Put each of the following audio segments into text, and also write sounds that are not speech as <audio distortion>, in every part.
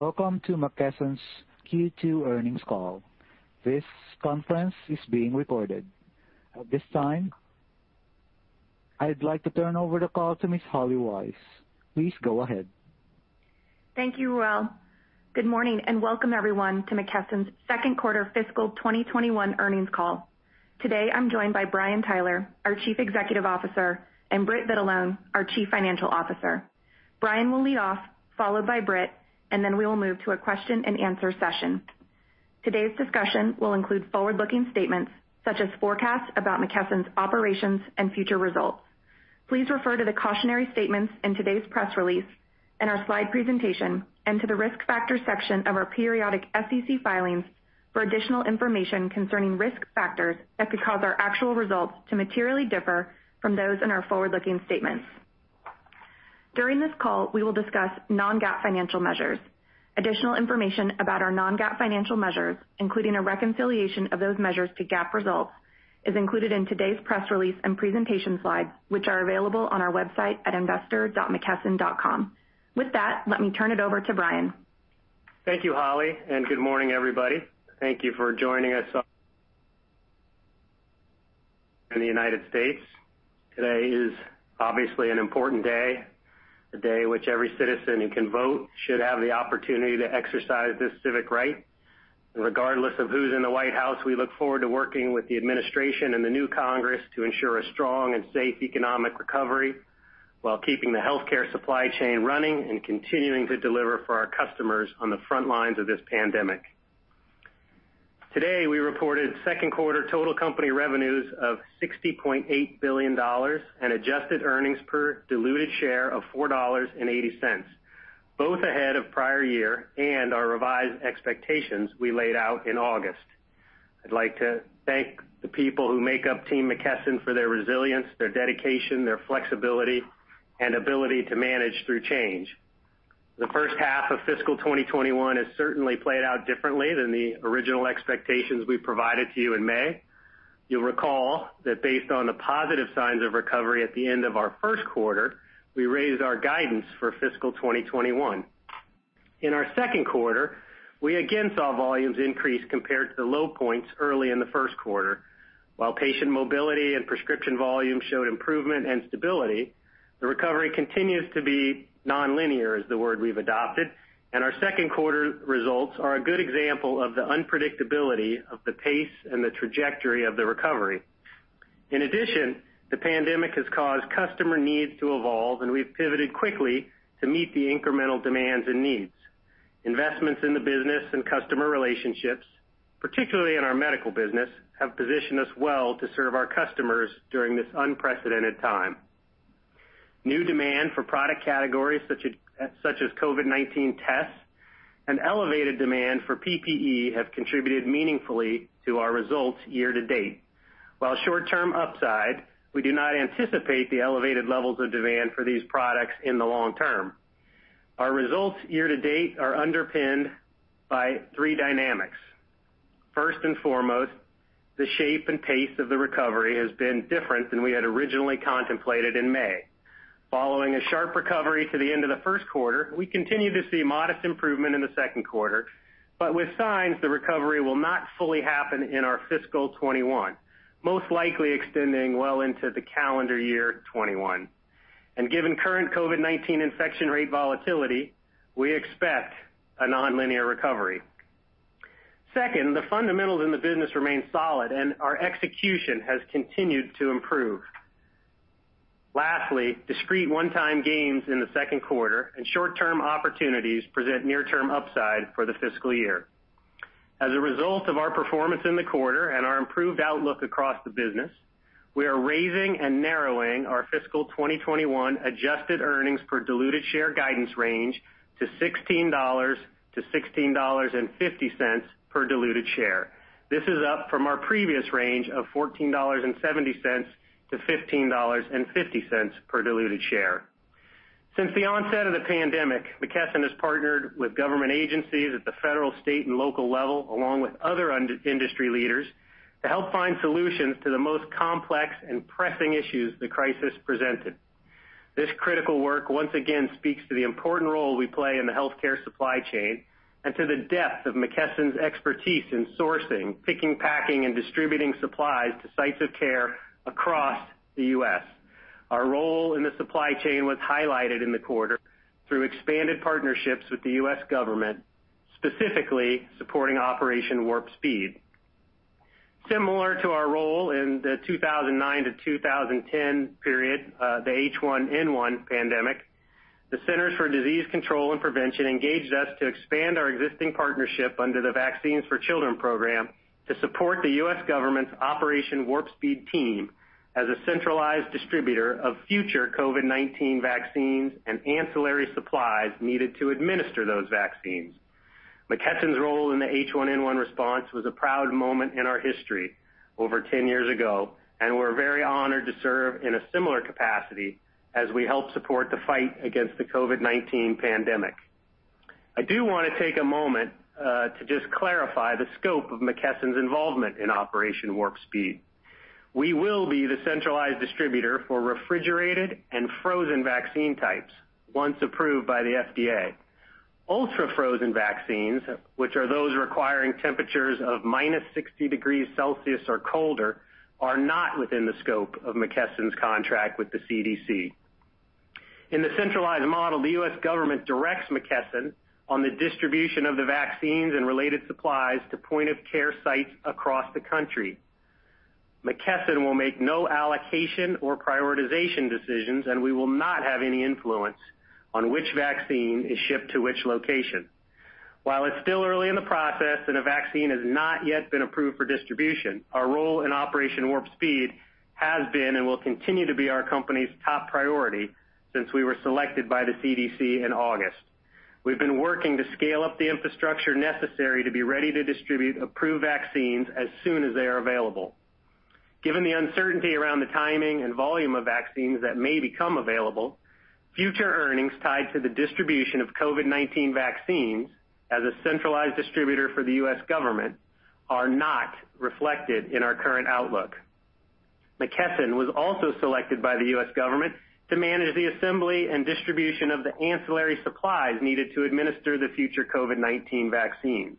Welcome to McKesson's Q2 earnings call. This conference is being recorded. At this time, I'd like to turn over the call to Ms. Holly Weiss. Please go ahead. Thank you, Raul. Good morning and welcome everyone to McKesson's second quarter fiscal 2021 earnings call. Today I'm joined by Brian Tyler, our Chief Executive Officer, and Britt Vitalone, our Chief Financial Officer. Brian will lead off, followed by Britt, and then we will move to a question and answer session. Today's discussion will include forward-looking statements such as forecasts about McKesson's operations and future results. Please refer to the cautionary statements in today's press release, and our slide presentation, and to the risk factor section of our periodic SEC filings for additional information concerning risk factors that could cause our actual results to materially differ from those in our forward-looking statements. During this call, we will discuss non-GAAP financial measures. Additional information about our non-GAAP financial measures, including a reconciliation of those measures to GAAP results, is included in today's press release and presentation slides, which are available on our website at investor.mckesson.com. With that, let me turn it over to Brian. Thank you, Holly. Good morning, everybody. Thank you for joining us in the U.S. Today is obviously an important day, a day which every citizen who can vote should have the opportunity to exercise this civic right. Regardless of who's in the White House, we look forward to working with the administration and the new Congress to ensure a strong and safe economic recovery while keeping the healthcare supply chain running and continuing to deliver for our customers on the front lines of this pandemic. Today, we reported second quarter total company revenues of $60.8 billion and adjusted earnings per diluted share of $4.80. Both ahead of prior year and our revised expectations we laid out in August. I'd like to thank the people who make up Team McKesson for their resilience, their dedication, their flexibility, and ability to manage through change. The first half of fiscal 2021 has certainly played out differently than the original expectations we provided to you in May. You'll recall that based on the positive signs of recovery at the end of our first quarter, we raised our guidance for fiscal 2021. In our second quarter, we again saw volumes increase compared to the low points early in the first quarter, while patient mobility and prescription volume showed improvement and stability. The recovery continues to be non-linear, is the word we've adopted, and our second quarter results are a good example of the unpredictability of the pace and the trajectory of the recovery. In addition, the pandemic has caused customer needs to evolve, and we've pivoted quickly to meet the incremental demands and needs. Investments in the business and customer relationships, particularly in our medical business, have positioned us well to serve our customers during this unprecedented time. New demand for product categories such as COVID-19 tests and elevated demand for PPE have contributed meaningfully to our results year to date. While short term upside, we do not anticipate the elevated levels of demand for these products in the long term. Our results year to date are underpinned by three dynamics. First and foremost, the shape and pace of the recovery has been different than we had originally contemplated in May. Following a sharp recovery to the end of the first quarter, we continue to see modest improvement in the second quarter, but with signs the recovery will not fully happen in our fiscal 2021, most likely extending well into the calendar year 2021. Given current COVID-19 infection rate volatility, we expect a non-linear recovery. Second, the fundamentals in the business remain solid, and our execution has continued to improve. Lastly, discrete one-time gains in the second quarter and short-term opportunities present near-term upside for the fiscal year. As a result of our performance in the quarter and our improved outlook across the business, we are raising and narrowing our fiscal 2021 adjusted earnings per diluted share guidance range to $16-$16.50 per diluted share. This is up from our previous range of $14.70-$15.50 per diluted share. Since the onset of the pandemic, McKesson has partnered with government agencies at the federal, state, and local level, along with other industry leaders, to help find solutions to the most complex and pressing issues the crisis presented. This critical work once again speaks to the important role we play in the healthcare supply chain and to the depth of McKesson's expertise in sourcing, picking, packing, and distributing supplies to sites of care across the U.S. Our role in the supply chain was highlighted in the quarter through expanded partnerships with the U.S. government, specifically supporting Operation Warp Speed. Similar to our role in the 2009 to 2010 period, the H1N1 pandemic, the Centers for Disease Control and Prevention engaged us to expand our existing partnership under the Vaccines for Children program to support the U.S. government's Operation Warp Speed team as a centralized distributor of future COVID-19 vaccines and ancillary supplies needed to administer those vaccines. McKesson's role in the H1N1 response was a proud moment in our history over 10 years ago, and we're very honored to serve in a similar capacity as we help support the fight against the COVID-19 pandemic. I do want to take a moment to just clarify the scope of McKesson's involvement in Operation Warp Speed. We will be the centralized distributor for refrigerated and frozen vaccine types once approved by the FDA. Ultra-frozen vaccines, which are those requiring temperatures of -60 degrees Celsius or colder, are not within the scope of McKesson's contract with the CDC. In the centralized model, the U.S. government directs McKesson on the distribution of the vaccines and related supplies to point-of-care sites across the country. McKesson will make no allocation or prioritization decisions, and we will not have any influence on which vaccine is shipped to which location. While it's still early in the process and a vaccine has not yet been approved for distribution, our role in Operation Warp Speed has been and will continue to be our company's top priority since we were selected by the CDC in August. We've been working to scale up the infrastructure necessary to be ready to distribute approved vaccines as soon as they are available. Given the uncertainty around the timing and volume of vaccines that may become available, future earnings tied to the distribution of COVID-19 vaccines as a centralized distributor for the U.S. government are not reflected in our current outlook. McKesson was also selected by the U.S. government to manage the assembly and distribution of the ancillary supplies needed to administer the future COVID-19 vaccines.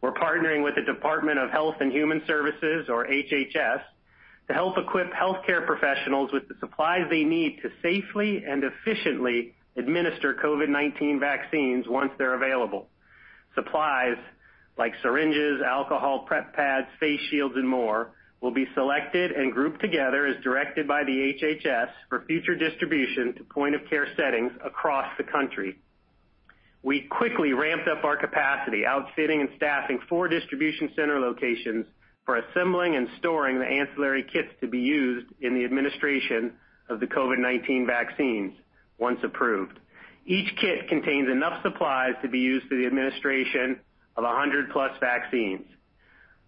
We're partnering with the Department of Health and Human Services, or HHS, to help equip healthcare professionals with the supplies they need to safely and efficiently administer COVID-19 vaccines once they're available. Supplies like syringes, alcohol prep pads, face shields, and more will be selected and grouped together as directed by the HHS for future distribution to point-of-care settings across the country. We quickly ramped up our capacity, outfitting and staffing four distribution center locations for assembling and storing the ancillary kits to be used in the administration of the COVID-19 vaccines once approved. Each kit contains enough supplies to be used for the administration of 100-plus vaccines.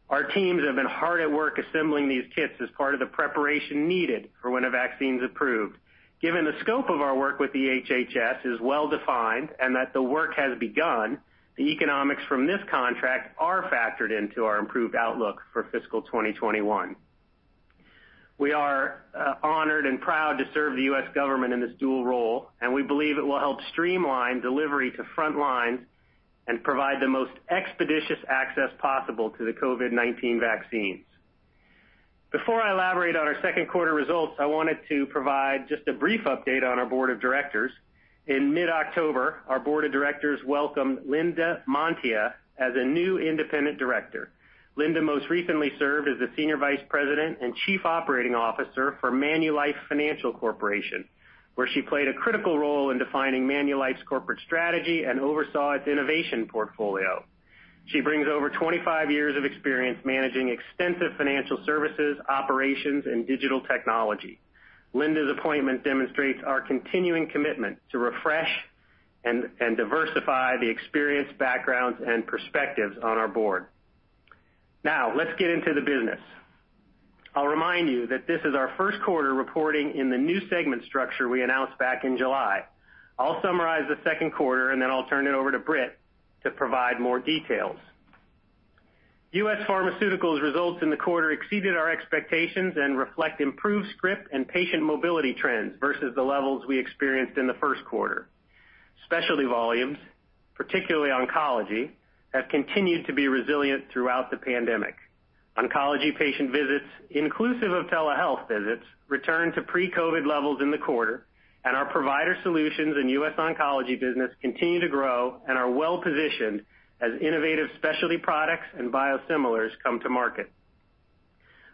Our teams have been hard at work assembling these kits as part of the preparation needed for when a vaccine's approved. Given the scope of our work with the HHS is well-defined and that the work has begun, the economics from this contract are factored into our improved outlook for fiscal 2021. We are honored and proud to serve the U.S. government in this dual role, and we believe it will help streamline delivery to front lines and provide the most expeditious access possible to the COVID-19 vaccines. Before I elaborate on our second quarter results, I wanted to provide just a brief update on our board of directors. In mid-October, our board of directors welcomed Linda Mantia as a new independent director. Linda most recently served as the senior vice president and chief operating officer for Manulife Financial Corporation, where she played a critical role in defining Manulife's corporate strategy and oversaw its innovation portfolio. She brings over 25 years of experience managing extensive financial services, operations, and digital technology. Linda's appointment demonstrates our continuing commitment to refresh and diversify the experience, backgrounds, and perspectives on our board. Now, let's get into the business. I'll remind you that this is our first quarter reporting in the new segment structure we announced back in July. I'll summarize the second quarter, and then I'll turn it over to Britt to provide more details. U.S. Pharmaceutical results in the quarter exceeded our expectations and reflect improved script and patient mobility trends versus the levels we experienced in the first quarter. Specialty volumes, particularly oncology, have continued to be resilient throughout the pandemic. Oncology patient visits, inclusive of telehealth visits, returned to pre-COVID levels in the quarter, and our provider solutions in U.S. Oncology business continue to grow and are well-positioned as innovative specialty products and biosimilars come to market.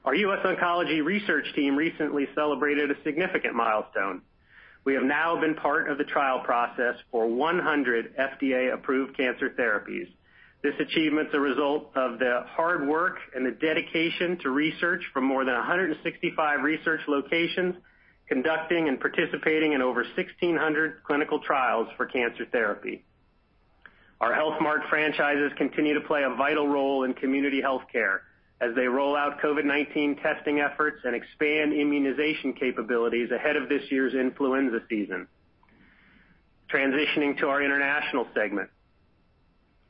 Our U.S. Oncology research team recently celebrated a significant milestone. We have now been part of the trial process for 100 FDA-approved cancer therapies. This achievement's a result of the hard work and the dedication to research from more than 165 research locations, conducting and participating in over 1,600 clinical trials for cancer therapy. Our Health Mart franchises continue to play a vital role in community healthcare as they roll out COVID-19 testing efforts and expand immunization capabilities ahead of this year's influenza season. Transitioning to our International Segment.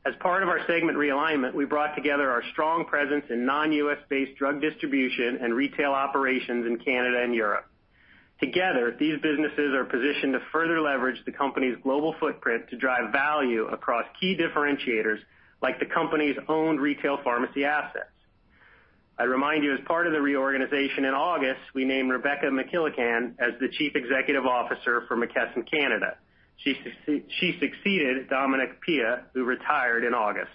As part of our segment realignment, we brought together our strong presence in non-U.S.-based drug distribution and retail operations in Canada and Europe. Together, these businesses are positioned to further leverage the company's global footprint to drive value across key differentiators, like the company's owned retail pharmacy assets. I remind you, as part of the reorganization in August, we named Rebecca McKillican as the Chief Executive Officer for McKesson Canada. She succeeded Domenic Pilla, who retired in August.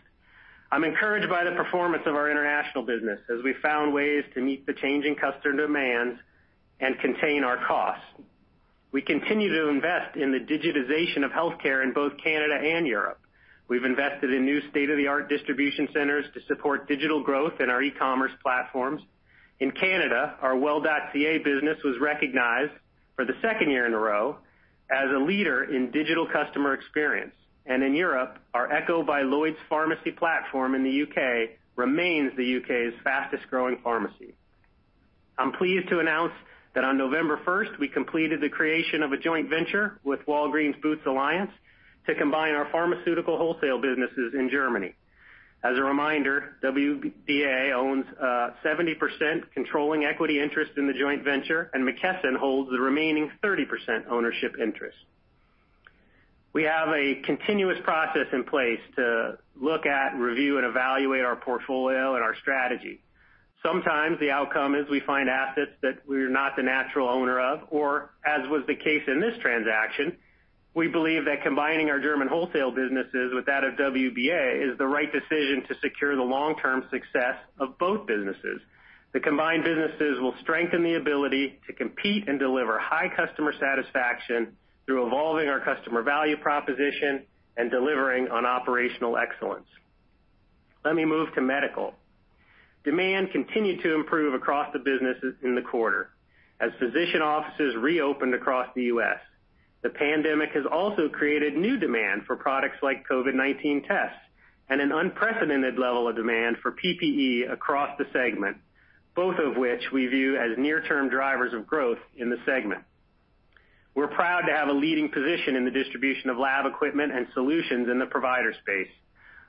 I'm encouraged by the performance of our international business as we found ways to meet the changing customer demands and contain our costs. We continue to invest in the digitization of healthcare in both Canada and Europe. We've invested in new state-of-the-art distribution centers to support digital growth in our e-commerce platforms. In Canada, our Well.ca business was recognized for the second year in a row as a leader in digital customer experience. In Europe, our Echo by LloydsPharmacy platform in the U.K. remains the U.K.'s fastest-growing pharmacy. I'm pleased to announce that on November 1st, we completed the creation of a joint venture with Walgreens Boots Alliance to combine our pharmaceutical wholesale businesses in Germany. As a reminder, WBA owns 70% controlling equity interest in the joint venture, and McKesson holds the remaining 30% ownership interest. We have a continuous process in place to look at, review, and evaluate our portfolio and our strategy. Sometimes the outcome is we find assets that we are not the natural owner of, or, as was the case in this transaction, we believe that combining our German wholesale businesses with that of WBA is the right decision to secure the long-term success of both businesses. The combined businesses will strengthen the ability to compete and deliver high customer satisfaction through evolving our customer value proposition and delivering on operational excellence. Let me move to Medical. Demand continued to improve across the businesses in the quarter as physician offices reopened across the U.S. The pandemic has also created new demand for products like COVID-19 tests and an unprecedented level of demand for PPE across the segment, both of which we view as near-term drivers of growth in the segment. We're proud to have a leading position in the distribution of lab equipment and solutions in the provider space.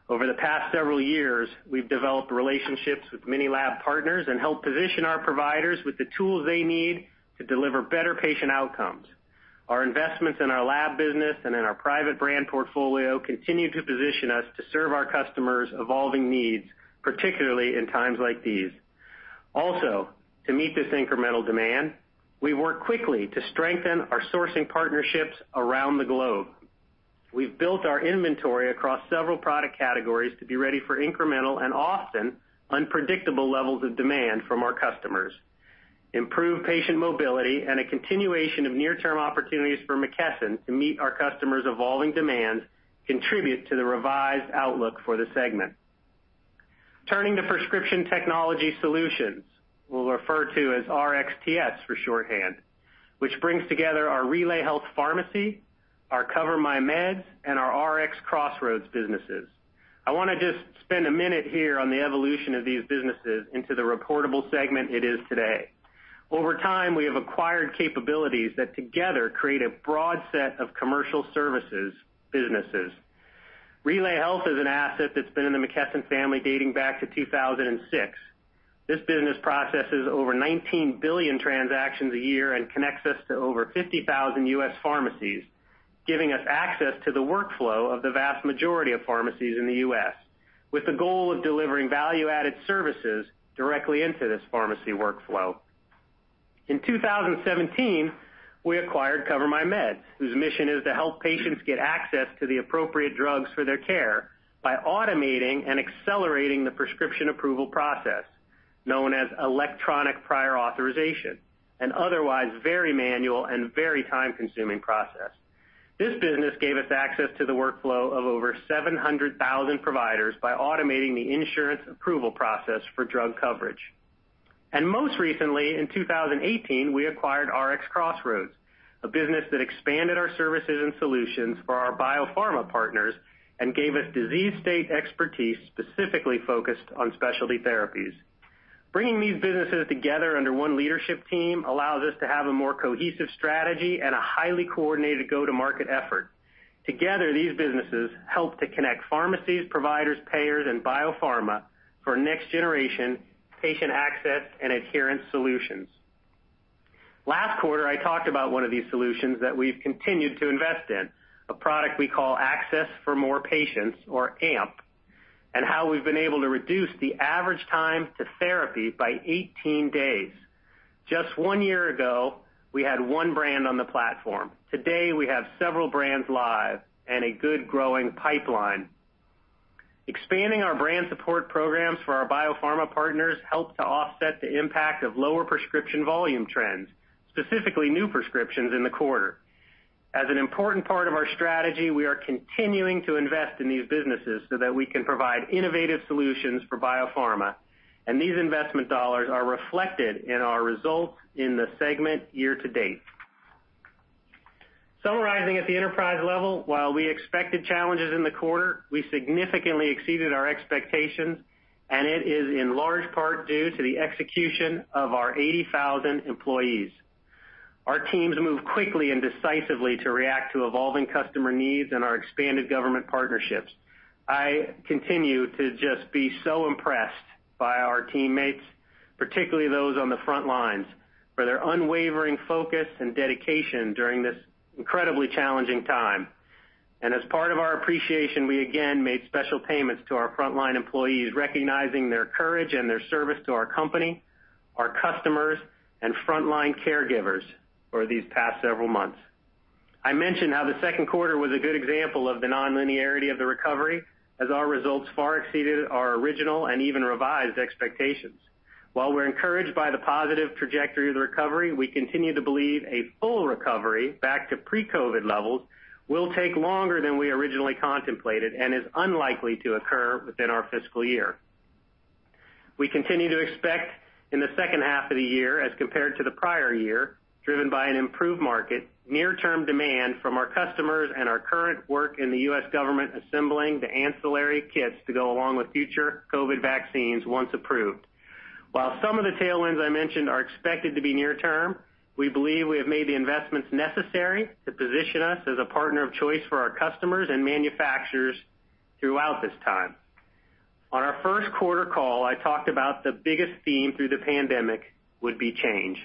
Over the past several years, we've developed relationships with many lab partners and helped position our providers with the tools they need to deliver better patient outcomes. Our investments in our lab business and in our private brand portfolio continue to position us to serve our customers' evolving needs, particularly in times like these. To meet this incremental demand, we worked quickly to strengthen our sourcing partnerships around the globe. We've built our inventory across several product categories to be ready for incremental and often unpredictable levels of demand from our customers. Improved patient mobility and a continuation of near-term opportunities for McKesson to meet our customers' evolving demands contribute to the revised outlook for the segment. Turning to Prescription Technology Solutions, we'll refer to as RxTS for shorthand, which brings together our RelayHealth Pharmacy, our CoverMyMeds, and our RxCrossroads businesses. I want to just spend a minute here on the evolution of these businesses into the reportable segment it is today. Over time, we have acquired capabilities that together create a broad set of commercial services businesses. RelayHealth is an asset that's been in the McKesson family dating back to 2006. This business processes over 19 billion transactions a year and connects us to over 50,000 U.S. pharmacies, giving us access to the workflow of the vast majority of pharmacies in the U.S., with the goal of delivering value-added services directly into this pharmacy workflow. In 2017, we acquired CoverMyMeds, whose mission is to help patients get access to the appropriate drugs for their care by automating and accelerating the prescription approval process, known as electronic prior authorization, an otherwise very manual and very time-consuming process. This business gave us access to the workflow of over 700,000 providers by automating the insurance approval process for drug coverage. Most recently, in 2018, we acquired RxCrossroads, a business that expanded our services and solutions for our biopharma partners and gave us disease state expertise specifically focused on specialty therapies. Bringing these businesses together under one leadership team allows us to have a more cohesive strategy and a highly coordinated go-to-market effort. Together, these businesses help to connect pharmacies, providers, payers, and biopharma for next-generation patient access and adherence solutions. Last quarter, I talked about one of these solutions that we've continued to invest in, a product we call Access for More Patients, or AMP, and how we've been able to reduce the average time to therapy by 18 days. Just one year ago, we had one brand on the platform. Today, we have several brands live and a good growing pipeline. Expanding our brand support programs for our biopharma partners helps to offset the impact of lower prescription volume trends, specifically new prescriptions in the quarter. As an important part of our strategy, we are continuing to invest in these businesses so that we can provide innovative solutions for biopharma. These investment dollars are reflected in our results in the segment year to date. Summarizing at the enterprise level, while we expected challenges in the quarter, we significantly exceeded our expectations, and it is in large part due to the execution of our 80,000 employees. Our teams moved quickly and decisively to react to evolving customer needs and our expanded government partnerships. I continue to just be so impressed by our teammates, particularly those on the front lines, for their unwavering focus and dedication during this incredibly challenging time. As part of our appreciation, we again made special payments to our frontline employees, recognizing their courage and their service to our company, our customers, and frontline caregivers over these past several months. I mentioned how the second quarter was a good example of the non-linearity of the recovery, as our results far exceeded our original and even revised expectations. While we're encouraged by the positive trajectory of the recovery, we continue to believe a full recovery back to pre-COVID levels will take longer than we originally contemplated and is unlikely to occur within our fiscal year. We continue to expect in the second half of the year as compared to the prior year, driven by an improved market, near-term demand from our customers and our current work in the U.S. government assembling the ancillary kits to go along with future COVID vaccines once approved. While some of the tailwinds I mentioned are expected to be near term, we believe we have made the investments necessary to position us as a partner of choice for our customers and manufacturers throughout this time. On our first quarter call, I talked about the biggest theme through the pandemic would be change,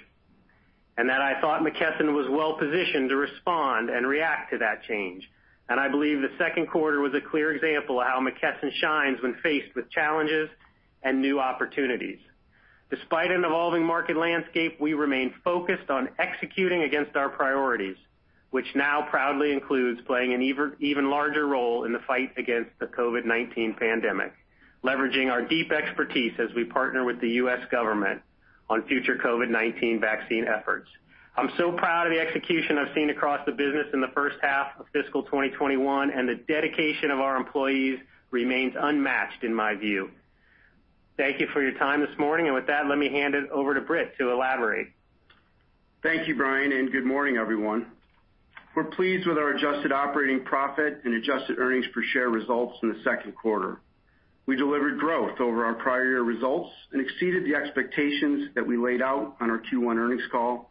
that I thought McKesson was well positioned to respond and react to that change. I believe the second quarter was a clear example of how McKesson shines when faced with challenges and new opportunities. Despite an evolving market landscape, we remain focused on executing against our priorities, which now proudly includes playing an even larger role in the fight against the COVID-19 pandemic, leveraging our deep expertise as we partner with the U.S. government on future COVID-19 vaccine efforts. I'm so proud of the execution I've seen across the business in the first half of fiscal 2021, the dedication of our employees remains unmatched in my view. Thank you for your time this morning. With that, let me hand it over to Britt to elaborate. Thank you, Brian, and good morning, everyone. We're pleased with our adjusted operating profit and adjusted earnings per share results in the second quarter. We delivered growth over our prior year results and exceeded the expectations that we laid out on our Q1 earnings call,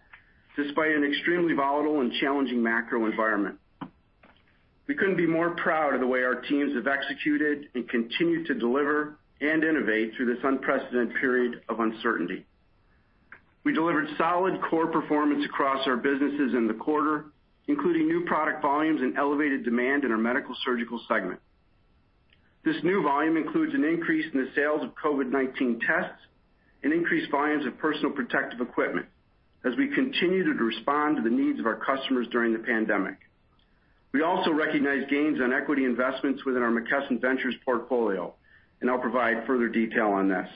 despite an extremely volatile and challenging macro environment. We couldn't be more proud of the way our teams have executed and continue to deliver and innovate through this unprecedented period of uncertainty. We delivered solid core performance across our businesses in the quarter, including new product volumes and elevated demand in our Medical-Surgical Solutions segment. This new volume includes an increase in the sales of COVID-19 tests and increased volumes of personal protective equipment as we continue to respond to the needs of our customers during the pandemic. We also recognize gains on equity investments within our McKesson Ventures portfolio, and I'll provide further detail on this.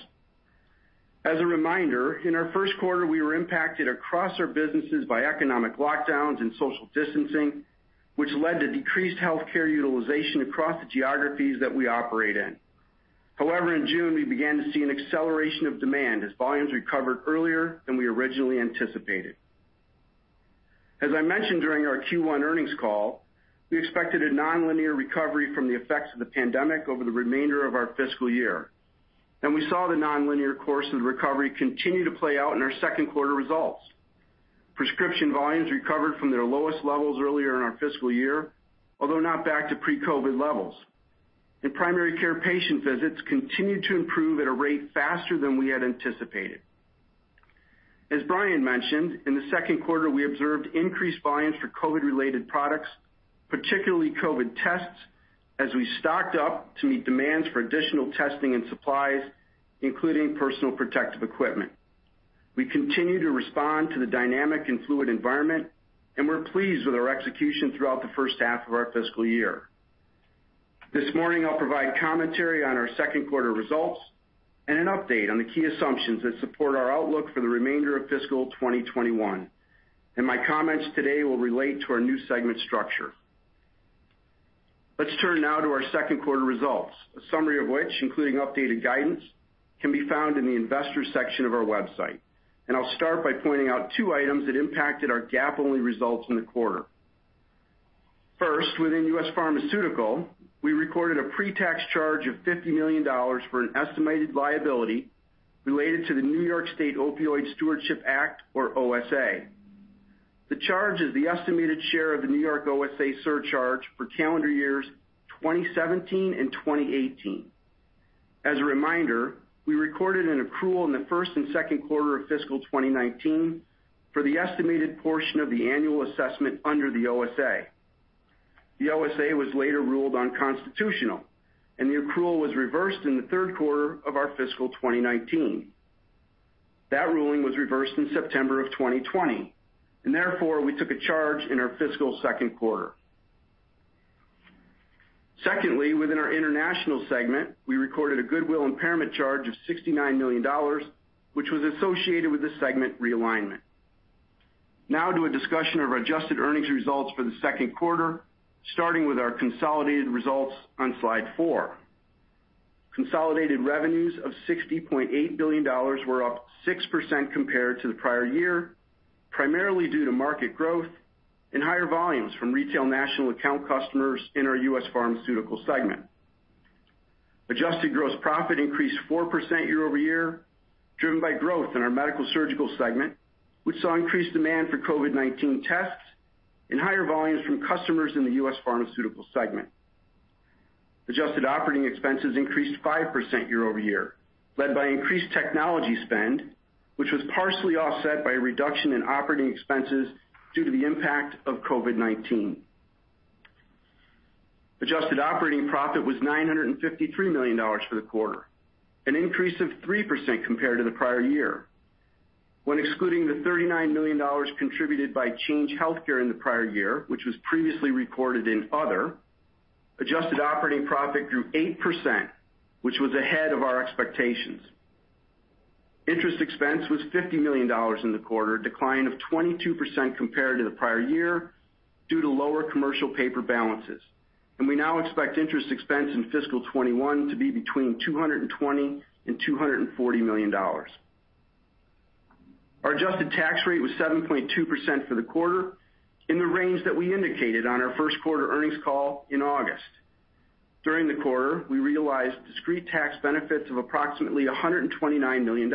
As a reminder, in our first quarter, we were impacted across our businesses by economic lockdowns and social distancing, which led to decreased healthcare utilization across the geographies that we operate in. In June, we began to see an acceleration of demand as volumes recovered earlier than we originally anticipated. As I mentioned during our Q1 earnings call, I expected a nonlinear recovery from the effects of the pandemic over the remainder of our fiscal year, and we saw the nonlinear course of the recovery continue to play out in our second quarter results. Prescription volumes recovered from their lowest levels earlier in our fiscal year, although not back to pre-COVID levels. Primary care patient visits continued to improve at a rate faster than we had anticipated. As Brian mentioned, in the second quarter, we observed increased volumes for COVID-related products, particularly COVID tests, as we stocked up to meet demands for additional testing and supplies, including personal protective equipment. We continue to respond to the dynamic and fluid environment, we're pleased with our execution throughout the first half of our fiscal year. This morning, I'll provide commentary on our second quarter results and an update on the key assumptions that support our outlook for the remainder of fiscal 2021. My comments today will relate to our new segment structure. Let's turn now to our second quarter results, a summary of which, including updated guidance, can be found in the investor section of our website. I'll start by pointing out two items that impacted our GAAP-only results in the quarter. First, within U.S. Pharmaceutical, we recorded a pre-tax charge of $50 million for an estimated liability related to the New York State Opioid Stewardship Act, or OSA. The charge is the estimated share of the New York OSA surcharge for calendar years 2017 and 2018. As a reminder, we recorded an accrual in the first and second quarter of fiscal 2019 for the estimated portion of the annual assessment under the OSA. The OSA was later ruled unconstitutional, and the accrual was reversed in the third quarter of our fiscal 2019. That ruling was reversed in September of 2020, and therefore, we took a charge in our fiscal second quarter. Secondly, within our International Segment, we recorded a goodwill impairment charge of $69 million, which was associated with the segment realignment. Now to a discussion of our adjusted earnings results for the second quarter, starting with our consolidated results on slide four. Consolidated revenues of $60.8 billion were up 6% compared to the prior year, primarily due to market growth and higher volumes from retail national account customers in our U.S. Pharmaceutical segment. Adjusted gross profit increased 4% year-over-year, driven by growth in our Medical-Surgical segment, which saw increased demand for COVID-19 tests and higher volumes from customers in the U.S. Pharmaceutical segment. Adjusted operating expenses increased 5% year-over-year, led by increased technology spend, which was partially offset by a reduction in operating expenses due to the impact of COVID-19. Adjusted operating profit was $953 million for the quarter, an increase of 3% compared to the prior year. When excluding the $39 million contributed by Change Healthcare in the prior year, which was previously recorded in other, adjusted operating profit grew 8%, which was ahead of our expectations. Interest expense was $50 million in the quarter, a decline of 22% compared to the prior year due to lower commercial paper balances. We now expect interest expense in fiscal 2021 to be between $220 million and $240 million. Our adjusted tax rate was 7.2% for the quarter, in the range that we indicated on our first quarter earnings call in August. During the quarter, we realized discrete tax benefits of approximately $129 million,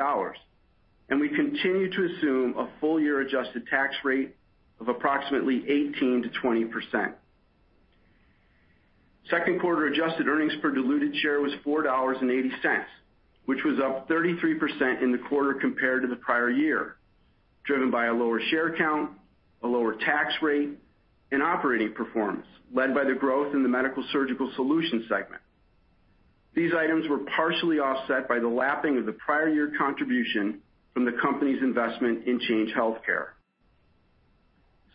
and we continue to assume a full year adjusted tax rate of approximately 18%-20%. Second quarter adjusted earnings per diluted share was $4.80, which was up 33% in the quarter compared to the prior year, driven by a lower share count, a lower tax rate, and operating performance led by the growth in the Medical-Surgical Solutions segment. These items were partially offset by the lapping of the prior year contribution from the company's investment in Change Healthcare.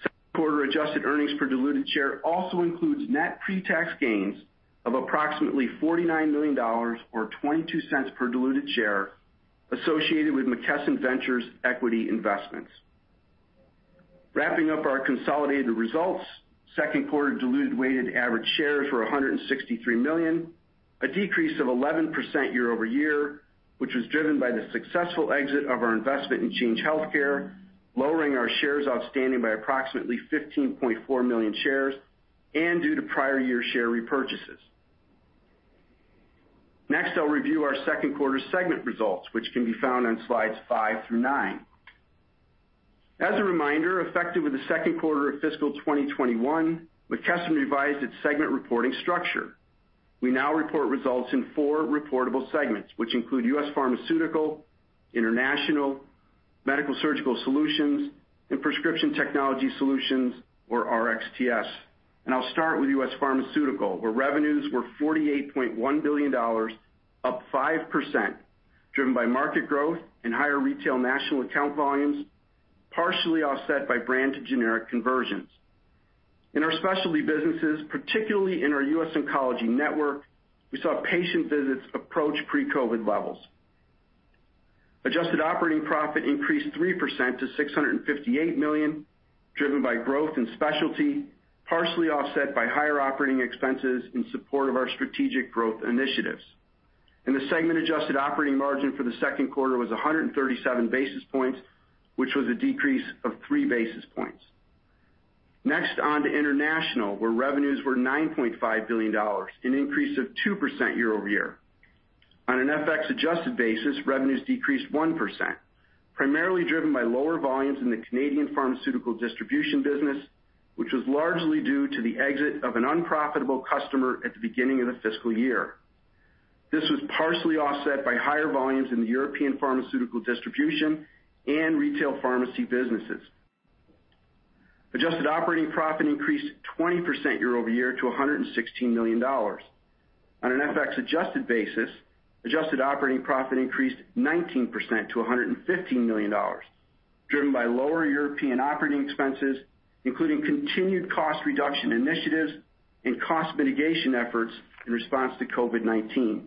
Second quarter adjusted earnings per diluted share also includes net pre-tax gains of approximately $49 million, or $0.22 per diluted share associated with McKesson Ventures equity investments. Wrapping up our consolidated results, second quarter diluted weighted average shares were 163 million, a decrease of 11% year-over-year, which was driven by the successful exit of our investment in Change Healthcare, lowering our shares outstanding by approximately 15.4 million shares, and due to prior year share repurchases. Next, I'll review our second quarter segment results, which can be found on slides five through nine. As a reminder, effective with the second quarter of fiscal 2021, McKesson revised its segment reporting structure. We now report results in four reportable segments which include U.S. Pharmaceutical, International, Medical-Surgical Solutions, and Prescription Technology Solutions, or RxTS. I'll start with U.S. Pharmaceutical, where revenues were $48.1 billion, up 5%, driven by market growth and higher retail national account volumes, partially offset by brand to generic conversions. In our <audio distortion> U.S. Oncology Network, we saw patient visits approach pre-COVID levels. Adjusted operating profit increased 3% to $658 million, driven by growth in specialty, partially offset by higher operating expenses in support of our strategic growth initiatives. The segment adjusted operating margin for the second quarter was 137 basis points, which was a decrease of 3 basis points. Next, on to International, where revenues were $9.5 billion, an increase of 2% year-over-year. On an FX adjusted basis, revenues decreased 1%, primarily driven by lower volumes in the Canadian pharmaceutical distribution business, which was largely due to the exit of an unprofitable customer at the beginning of the fiscal year. This was partially offset by higher volumes in the European pharmaceutical distribution and retail pharmacy businesses. Adjusted operating profit increased 20% year-over-year to $116 million. On an FX adjusted basis, adjusted operating profit increased 19% to $115 million, driven by lower European operating expenses, including continued cost reduction initiatives and cost mitigation efforts in response to COVID-19.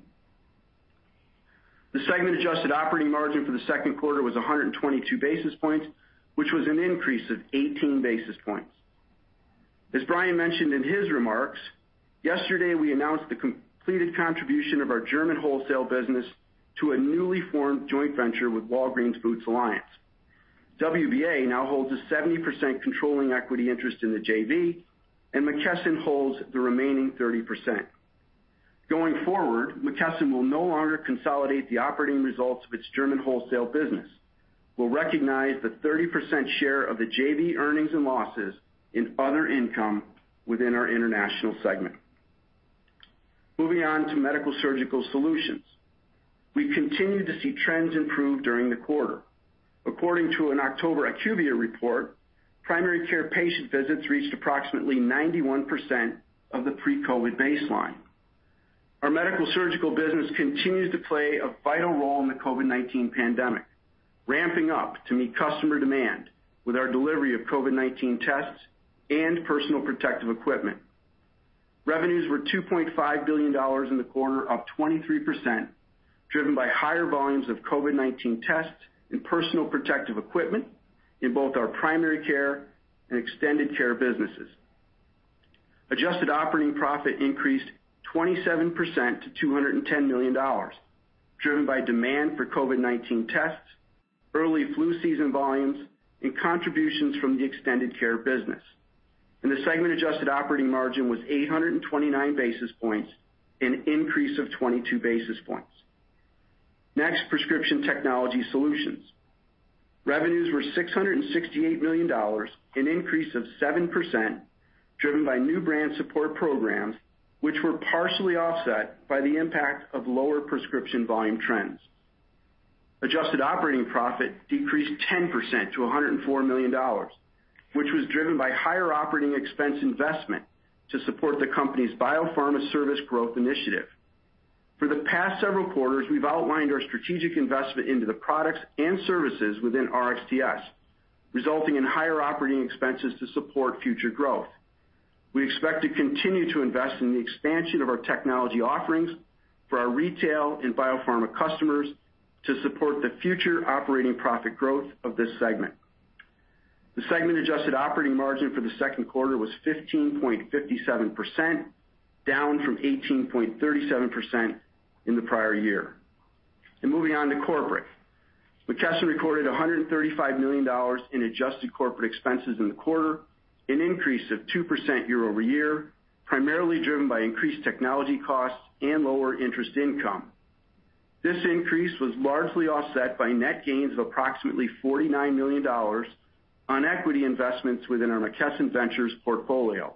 The segment adjusted operating margin for the second quarter was 122 basis points, which was an increase of 18 basis points. As Brian mentioned in his remarks, yesterday, we announced the completed contribution of our German wholesale business to a newly formed joint venture with Walgreens Boots Alliance. WBA now holds a 70% controlling equity interest in the JV, and McKesson holds the remaining 30%. Going forward, McKesson will no longer consolidate the operating results of its German wholesale business. We'll recognize the 30% share of the JV earnings and losses in other income within our international segment. Moving on to Medical-Surgical Solutions. We continued to see trends improve during the quarter. According to an October IQVIA report, primary care patient visits reached approximately 91% of the pre-COVID baseline. Our Medical-Surgical Solutions continues to play a vital role in the COVID-19 pandemic, ramping up to meet customer demand with our delivery of COVID-19 tests and personal protective equipment. Revenues were $2.5 billion in the quarter, up 23%, driven by higher volumes of COVID-19 tests and personal protective equipment in both our primary care and extended care businesses. Adjusted operating profit increased 27% to $210 million, driven by demand for COVID-19 tests, early flu season volumes, and contributions from the extended care business. The segment adjusted operating margin was 829 basis points, an increase of 22 basis points. Next, Prescription Technology Solutions. Revenues were $668 million, an increase of 7%, driven by new brand support programs, which were partially offset by the impact of lower prescription volume trends. Adjusted operating profit decreased 10% to $104 million, which was driven by higher operating expense investment to support the company's biopharma service growth initiative. For the past several quarters, we've outlined our strategic investment into the products and services within RxTS, resulting in higher operating expenses to support future growth. We expect to continue to invest in the expansion of our technology offerings for our retail and biopharma customers to support the future operating profit growth of this segment. The segment adjusted operating margin for the second quarter was 15.57%, down from 18.37% in the prior year. Moving on to corporate. McKesson recorded $135 million in adjusted corporate expenses in the quarter, an increase of 2% year-over-year, primarily driven by increased technology costs and lower interest income. This increase was largely offset by net gains of approximately $49 million on equity investments within our McKesson Ventures portfolio.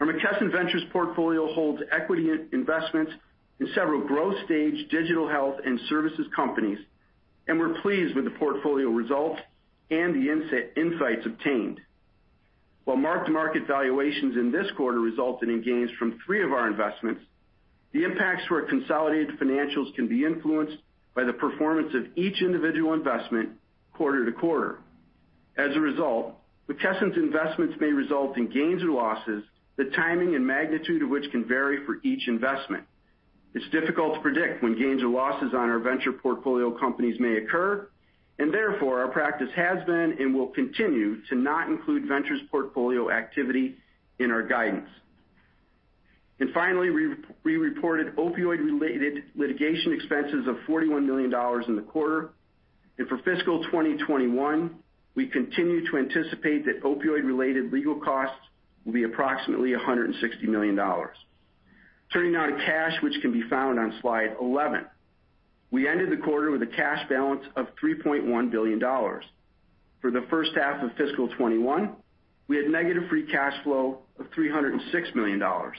Our McKesson Ventures portfolio holds equity investments in several growth stage digital health and services companies. We're pleased with the portfolio results and the insights obtained. While mark-to-market valuations in this quarter resulted in gains from three of our investments, the impacts to our consolidated financials can be influenced by the performance of each individual investment quarter to quarter. As a result, McKesson's investments may result in gains or losses, the timing and magnitude of which can vary for each investment. It's difficult to predict when gains or losses on our venture portfolio companies may occur. Therefore, our practice has been, and will continue, to not include ventures portfolio activity in our guidance. Finally, we reported opioid-related litigation expenses of $41 million in the quarter. For fiscal 2021, we continue to anticipate that opioid-related legal costs will be approximately $160 million. Turning now to cash, which can be found on slide 11. We ended the quarter with a cash balance of $3.1 billion. For the first half of fiscal 2021, we had negative free cash flow of $306 million. Our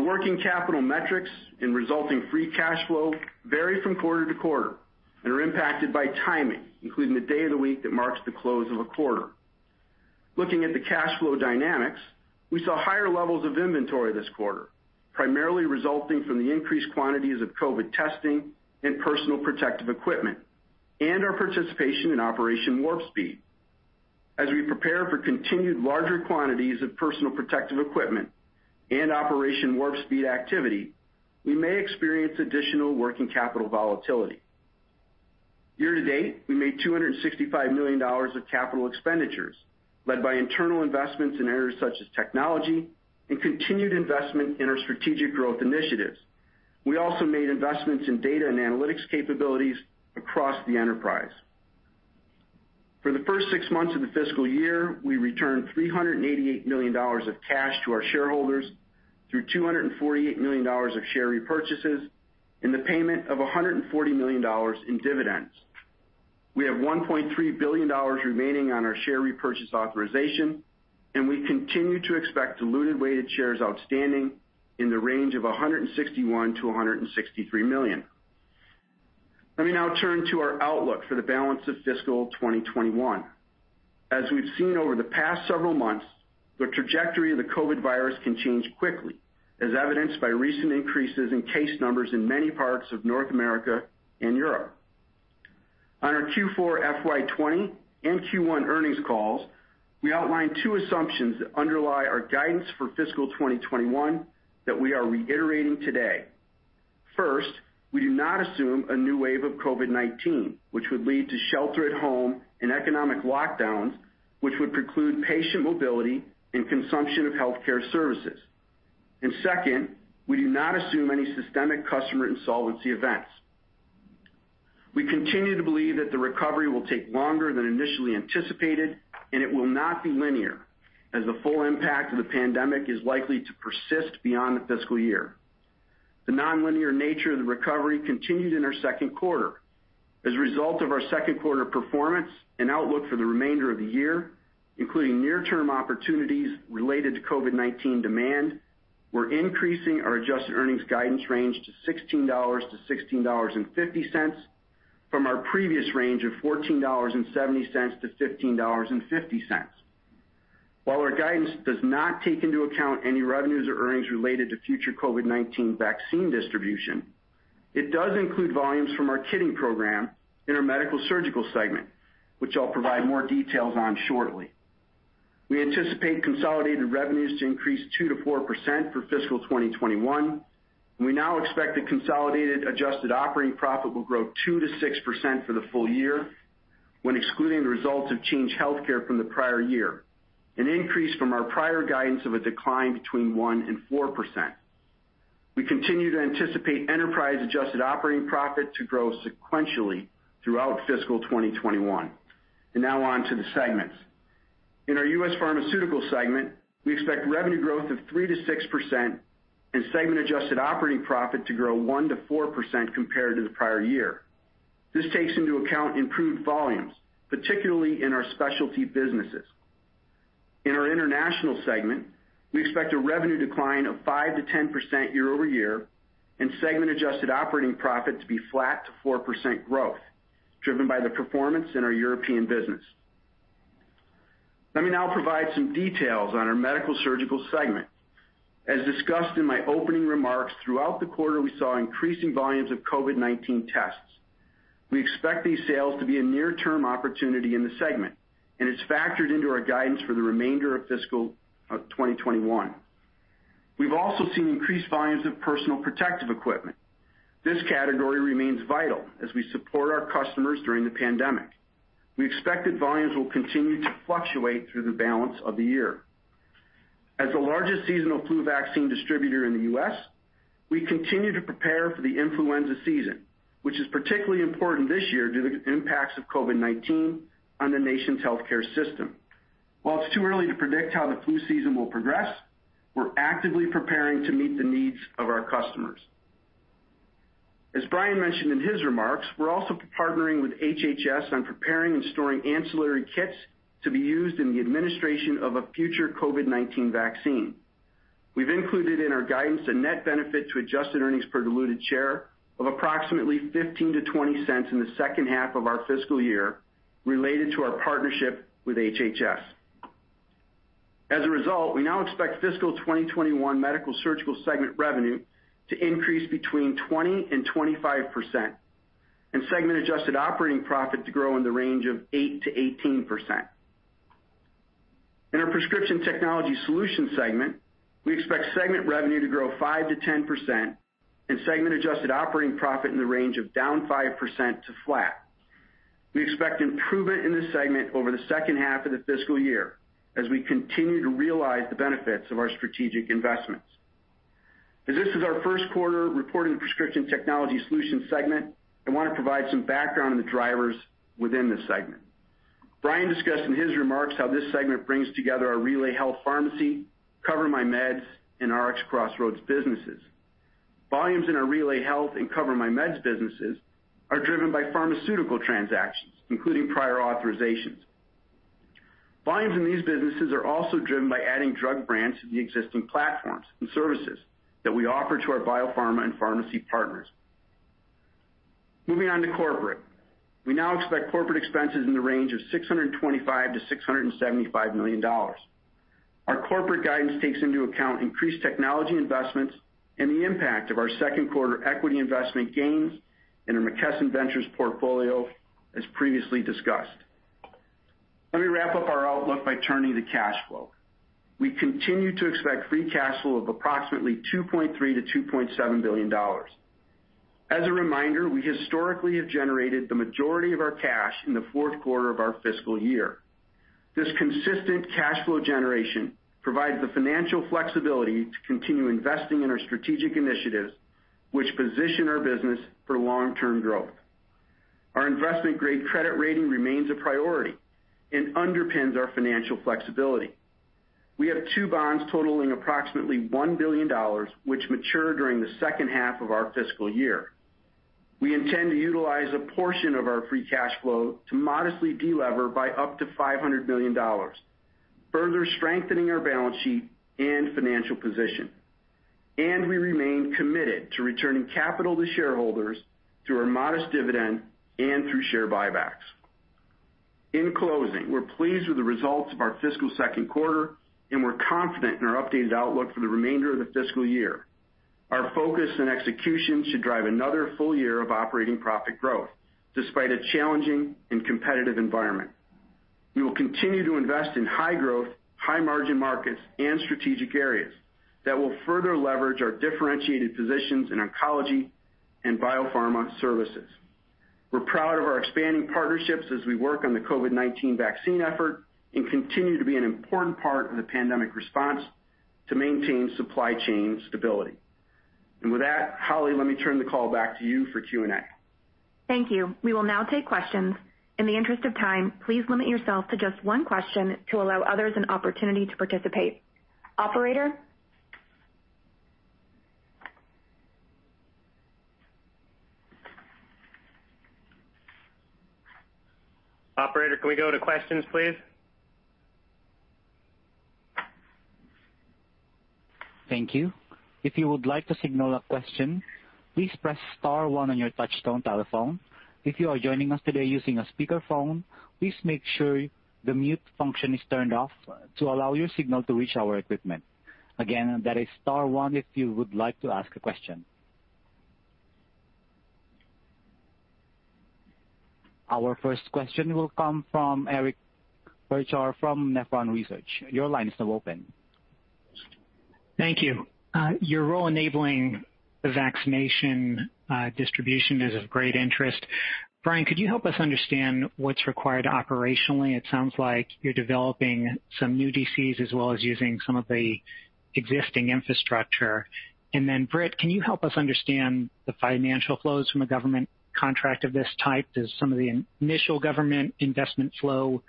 working capital metrics and resulting free cash flow vary from quarter to quarter and are impacted by timing, including the day of the week that marks the close of a quarter. Looking at the cash flow dynamics, we saw higher levels of inventory this quarter, primarily resulting from the increased quantities of COVID testing and personal protective equipment, and our participation in Operation Warp Speed. As we prepare for continued larger quantities of personal protective equipment and Operation Warp Speed activity, we may experience additional working capital volatility. Year to date, we made $265 million of capital expenditures, led by internal investments in areas such as technology and continued investment in our strategic growth initiatives. We also made investments in data and analytics capabilities across the enterprise. For the first six months of the fiscal year, we returned $388 million of cash to our shareholders through $248 million of share repurchases and the payment of $140 million in dividends. We have $1.3 billion remaining on our share repurchase authorization, and we continue to expect diluted weighted shares outstanding in the range of 161 to 163 million. Let me now turn to our outlook for the balance of fiscal 2021. As we've seen over the past several months, the trajectory of the COVID virus can change quickly, as evidenced by recent increases in case numbers in many parts of North America and Europe. On our Q4 FY 2020 and Q1 earnings calls, we outlined two assumptions that underlie our guidance for fiscal 2021 that we are reiterating today. First, we do not assume a new wave of COVID-19, which would lead to shelter at home and economic lockdowns, which would preclude patient mobility and consumption of healthcare services. Second, we do not assume any systemic customer insolvency events. We continue to believe that the recovery will take longer than initially anticipated, and it will not be linear, as the full impact of the pandemic is likely to persist beyond the fiscal year. The nonlinear nature of the recovery continued in our second quarter. As a result of our second quarter performance and outlook for the remainder of the year, including near-term opportunities related to COVID-19 demand, we're increasing our adjusted earnings guidance range to $16-$16.50 from our previous range of $14.70-$15.50. While our guidance does not take into account any revenues or earnings related to future COVID-19 vaccine distribution, it does include volumes from our kitting program in our Medical-Surgical segment, which I'll provide more details on shortly. We anticipate consolidated revenues to increase 2%-4% for fiscal 2021, and we now expect that consolidated adjusted operating profit will grow 2%-6% for the full year, when excluding the results of Change Healthcare from the prior year, an increase from our prior guidance of a decline between 1% and 4%. We continue to anticipate enterprise adjusted operating profit to grow sequentially throughout fiscal 2021. Now on to the segments. In our U.S. Pharmaceutical segment, we expect revenue growth of 3%-6% and segment adjusted operating profit to grow 1%-4% compared to the prior year. This takes into account improved volumes, particularly in our specialty businesses. In our International segment, we expect a revenue decline of 5%-10% year-over-year and segment adjusted operating profit to be flat to 4% growth, driven by the performance in our European business. Let me now provide some details on our Medical-Surgical segment. As discussed in my opening remarks, throughout the quarter, we saw increasing volumes of COVID-19 tests. We expect these sales to be a near-term opportunity in the segment, and it's factored into our guidance for the remainder of fiscal 2021. We've also seen increased volumes of personal protective equipment. This category remains vital as we support our customers during the pandemic. We expect that volumes will continue to fluctuate through the balance of the year. As the largest seasonal flu vaccine distributor in the U.S., we continue to prepare for the influenza season, which is particularly important this year due to the impacts of COVID-19 on the nation's healthcare system. While it's too early to predict how the flu season will progress, we're actively preparing to meet the needs of our customers. As Brian mentioned in his remarks, we're also partnering with HHS on preparing and storing ancillary kits to be used in the administration of a future COVID-19 vaccine. We've included in our guidance a net benefit to adjusted earnings per diluted share of approximately $0.15-$0.20 in the second half of our fiscal year related to our partnership with HHS. As a result, we now expect fiscal 2021 Medical-Surgical segment revenue to increase between 20% and 25%, and segment adjusted operating profit to grow in the range of 8%-18%. In our Prescription Technology Solutions segment, we expect segment revenue to grow 5%-10%, and segment adjusted operating profit in the range of down 5% to flat. We expect improvement in this segment over the second half of the fiscal year as we continue to realize the benefits of our strategic investments. As this is our first quarter reporting the Prescription Technology Solutions segment, I want to provide some background on the drivers within this segment. Brian discussed in his remarks how this segment brings together our RelayHealth Pharmacy, CoverMyMeds, and RxCrossroads businesses. Volumes in our RelayHealth and CoverMyMeds businesses are driven by pharmaceutical transactions, including prior authorizations. Volumes in these businesses are also driven by adding drug brands to the existing platforms and services that we offer to our biopharma and pharmacy partners. Moving on to corporate. We now expect corporate expenses in the range of $625 million-$675 million. Our corporate guidance takes into account increased technology investments and the impact of our second quarter equity investment gains in our McKesson Ventures portfolio, as previously discussed. Let me wrap up our outlook by turning to cash flow. We continue to expect free cash flow of approximately $2.3 billion-$2.7 billion. As a reminder, we historically have generated the majority of our cash in the fourth quarter of our fiscal year. This consistent cash flow generation provides the financial flexibility to continue investing in our strategic initiatives, which position our business for long-term growth. Our investment-grade credit rating remains a priority and underpins our financial flexibility. We have two bonds totaling approximately $1 billion, which mature during the second half of our fiscal year. We intend to utilize a portion of our free cash flow to modestly de-lever by up to $500 million, further strengthening our balance sheet and financial position. We remain committed to returning capital to shareholders through our modest dividend and through share buybacks. In closing, we're pleased with the results of our fiscal second quarter, and we're confident in our updated outlook for the remainder of the fiscal year. Our focus and execution should drive another full year of operating profit growth, despite a challenging and competitive environment. We will continue to invest in high growth, high margin markets and strategic areas that will further leverage our differentiated positions in oncology and biopharma services. We're proud of our expanding partnerships as we work on the COVID-19 vaccine effort and continue to be an important part of the pandemic response to maintain supply chain stability. With that, Holly, let me turn the call back to you for Q&A. Thank you. We will now take questions. In the interest of time, please limit yourself to just one question to allow others an opportunity to participate. Operator? Operator, can we go to questions, please? Thank you. If you would like to signal a question, please press star one on your touchtone telephone. If you are joining us today using a speakerphone, please make sure the mute function is turned off to allow your signal to reach our equipment. Again, that is star one if you would like to ask a question. Our first question will come from Eric Percher from Nephron Research. Your line is now open. Thank you. Your role enabling the vaccination distribution is of great interest. Brian, could you help us understand what's required operationally? It sounds like you're developing some new DCs as well as using some of the existing infrastructure. Britt, can you help us understand the financial flows from a government contract of this type? Does some of the initial government investment flow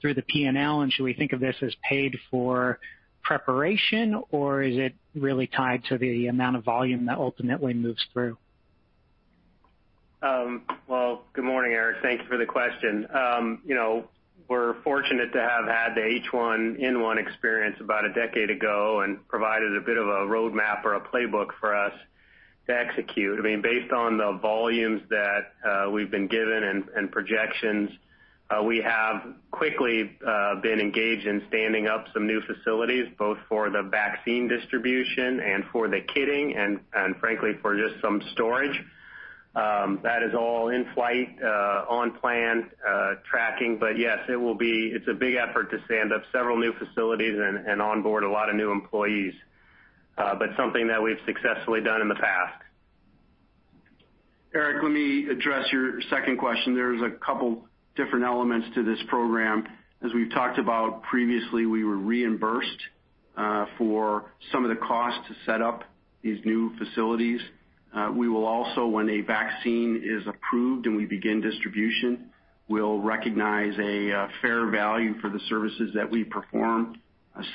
through the P&L, and should we think of this as paid for preparation, or is it really tied to the amount of volume that ultimately moves through? Well, good morning, Eric. Thank you for the question. We're fortunate to have had the H1N1 experience about a decade ago and provided a bit of a roadmap or a playbook for us to execute. Based on the volumes that we've been given and projections, we have quickly been engaged in standing up some new facilities, both for the vaccine distribution and for the kitting and frankly, for just some storage. That is all in flight, on plan, tracking. Yes, it's a big effort to stand up several new facilities and onboard a lot of new employees, but something that we've successfully done in the past. Eric, let me address your second question. There's a couple different elements to this program. As we've talked about previously, we were reimbursed for some of the costs to set up these new facilities. We will also, when a vaccine is approved and we begin distribution, we'll recognize a fair value for the services that we perform,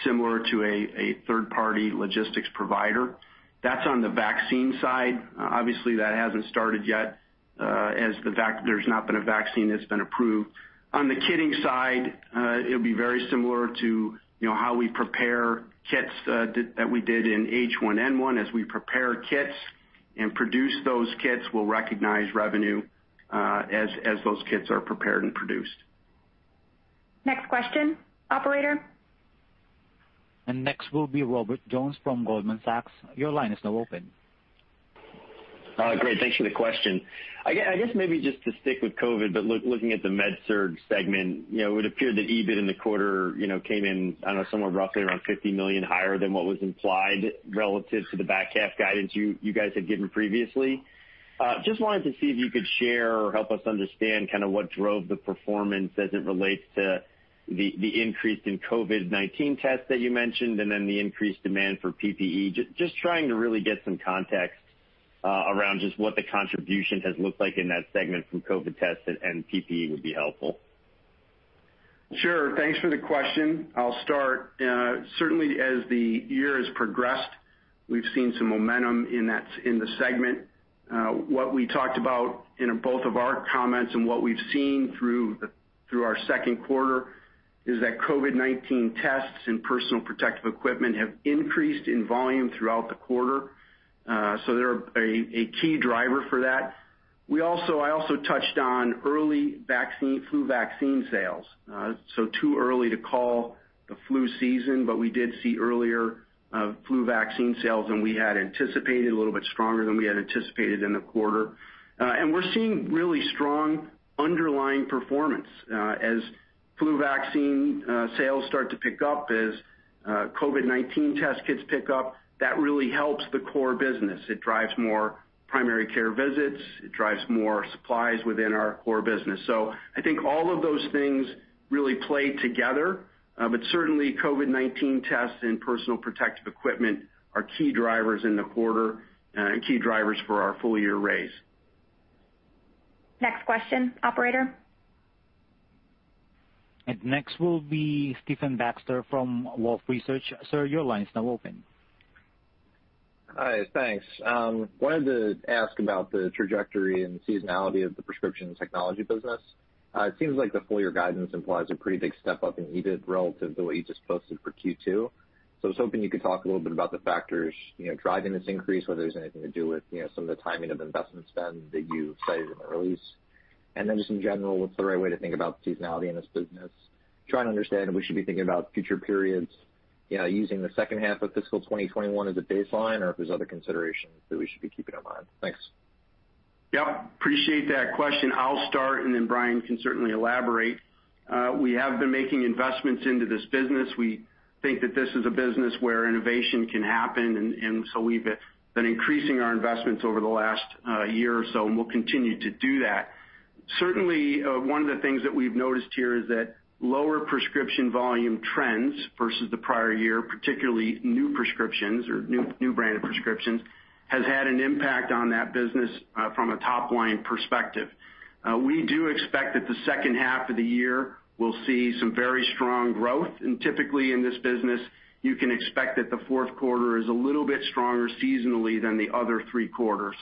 similar to a third-party logistics provider. That's on the vaccine side. Obviously, that hasn't started yet, as there's not been a vaccine that's been approved. On the kitting side, it'll be very similar to how we prepare kits that we did in H1N1. As we prepare kits and produce those kits, we'll recognize revenue, as those kits are prepared and produced. Next question, operator. Next will be Robert Jones from Goldman Sachs. Your line is now open. Great. Thanks for the question. I guess maybe just to stick with COVID, but looking at the Medical-Surgical Solutions segment, it would appear that EBIT in the quarter came in, I don't know, somewhere roughly around $50 million higher than what was implied relative to the back-half guidance you guys had given previously. Just wanted to see if you could share or help us understand what drove the performance as it relates to the increase in COVID-19 tests that you mentioned, and then the increased demand for PPE. Just trying to really get some context around just what the contribution has looked like in that segment from COVID tests and PPE would be helpful. Sure. Thanks for the question. I'll start. Certainly, as the year has progressed, we've seen some momentum in the segment. What we talked about in both of our comments and what we've seen through our second quarter is that COVID-19 tests and personal protective equipment have increased in volume throughout the quarter. They're a key driver for that. I also touched on early flu vaccine sales. Too early to call the flu season, but we did see earlier flu vaccine sales than we had anticipated, a little bit stronger than we had anticipated in the quarter. We're seeing really strong underlying performance. As flu vaccine sales start to pick up, as COVID-19 test kits pick up, that really helps the core business. It drives more primary care visits. It drives more supplies within our core business. I think all of those things really play together. Certainly COVID-19 tests and personal protective equipment are key drivers in the quarter and key drivers for our full-year raise. Next question, operator. Next will be Stephen Baxter from Wolfe Research. Sir, your line is now open. Hi. Thanks. Wanted to ask about the trajectory and seasonality of the Prescription Technology Solutions. It seems like the full-year guidance implies a pretty big step up in EBIT relative to what you just posted for Q2. I was hoping you could talk a little bit about the factors driving this increase, whether there's anything to do with some of the timing of investment spend that you cited in the release. Just in general, what's the right way to think about seasonality in this business? Trying to understand if we should be thinking about future periods using the second half of fiscal 2021 as a baseline, or if there's other considerations that we should be keeping in mind. Thanks. Yep. Appreciate that question. I'll start, and then Brian can certainly elaborate. We have been making investments into this business. We think that this is a business where innovation can happen, and so we've been increasing our investments over the last year or so, and we'll continue to do that. Certainly, one of the things that we've noticed here is that lower prescription volume trends versus the prior year, particularly new prescriptions or new brand of prescriptions, has had an impact on that business from a top-line perspective. We do expect that the second half of the year will see some very strong growth, and typically in this business, you can expect that the fourth quarter is a little bit stronger seasonally than the other three quarters.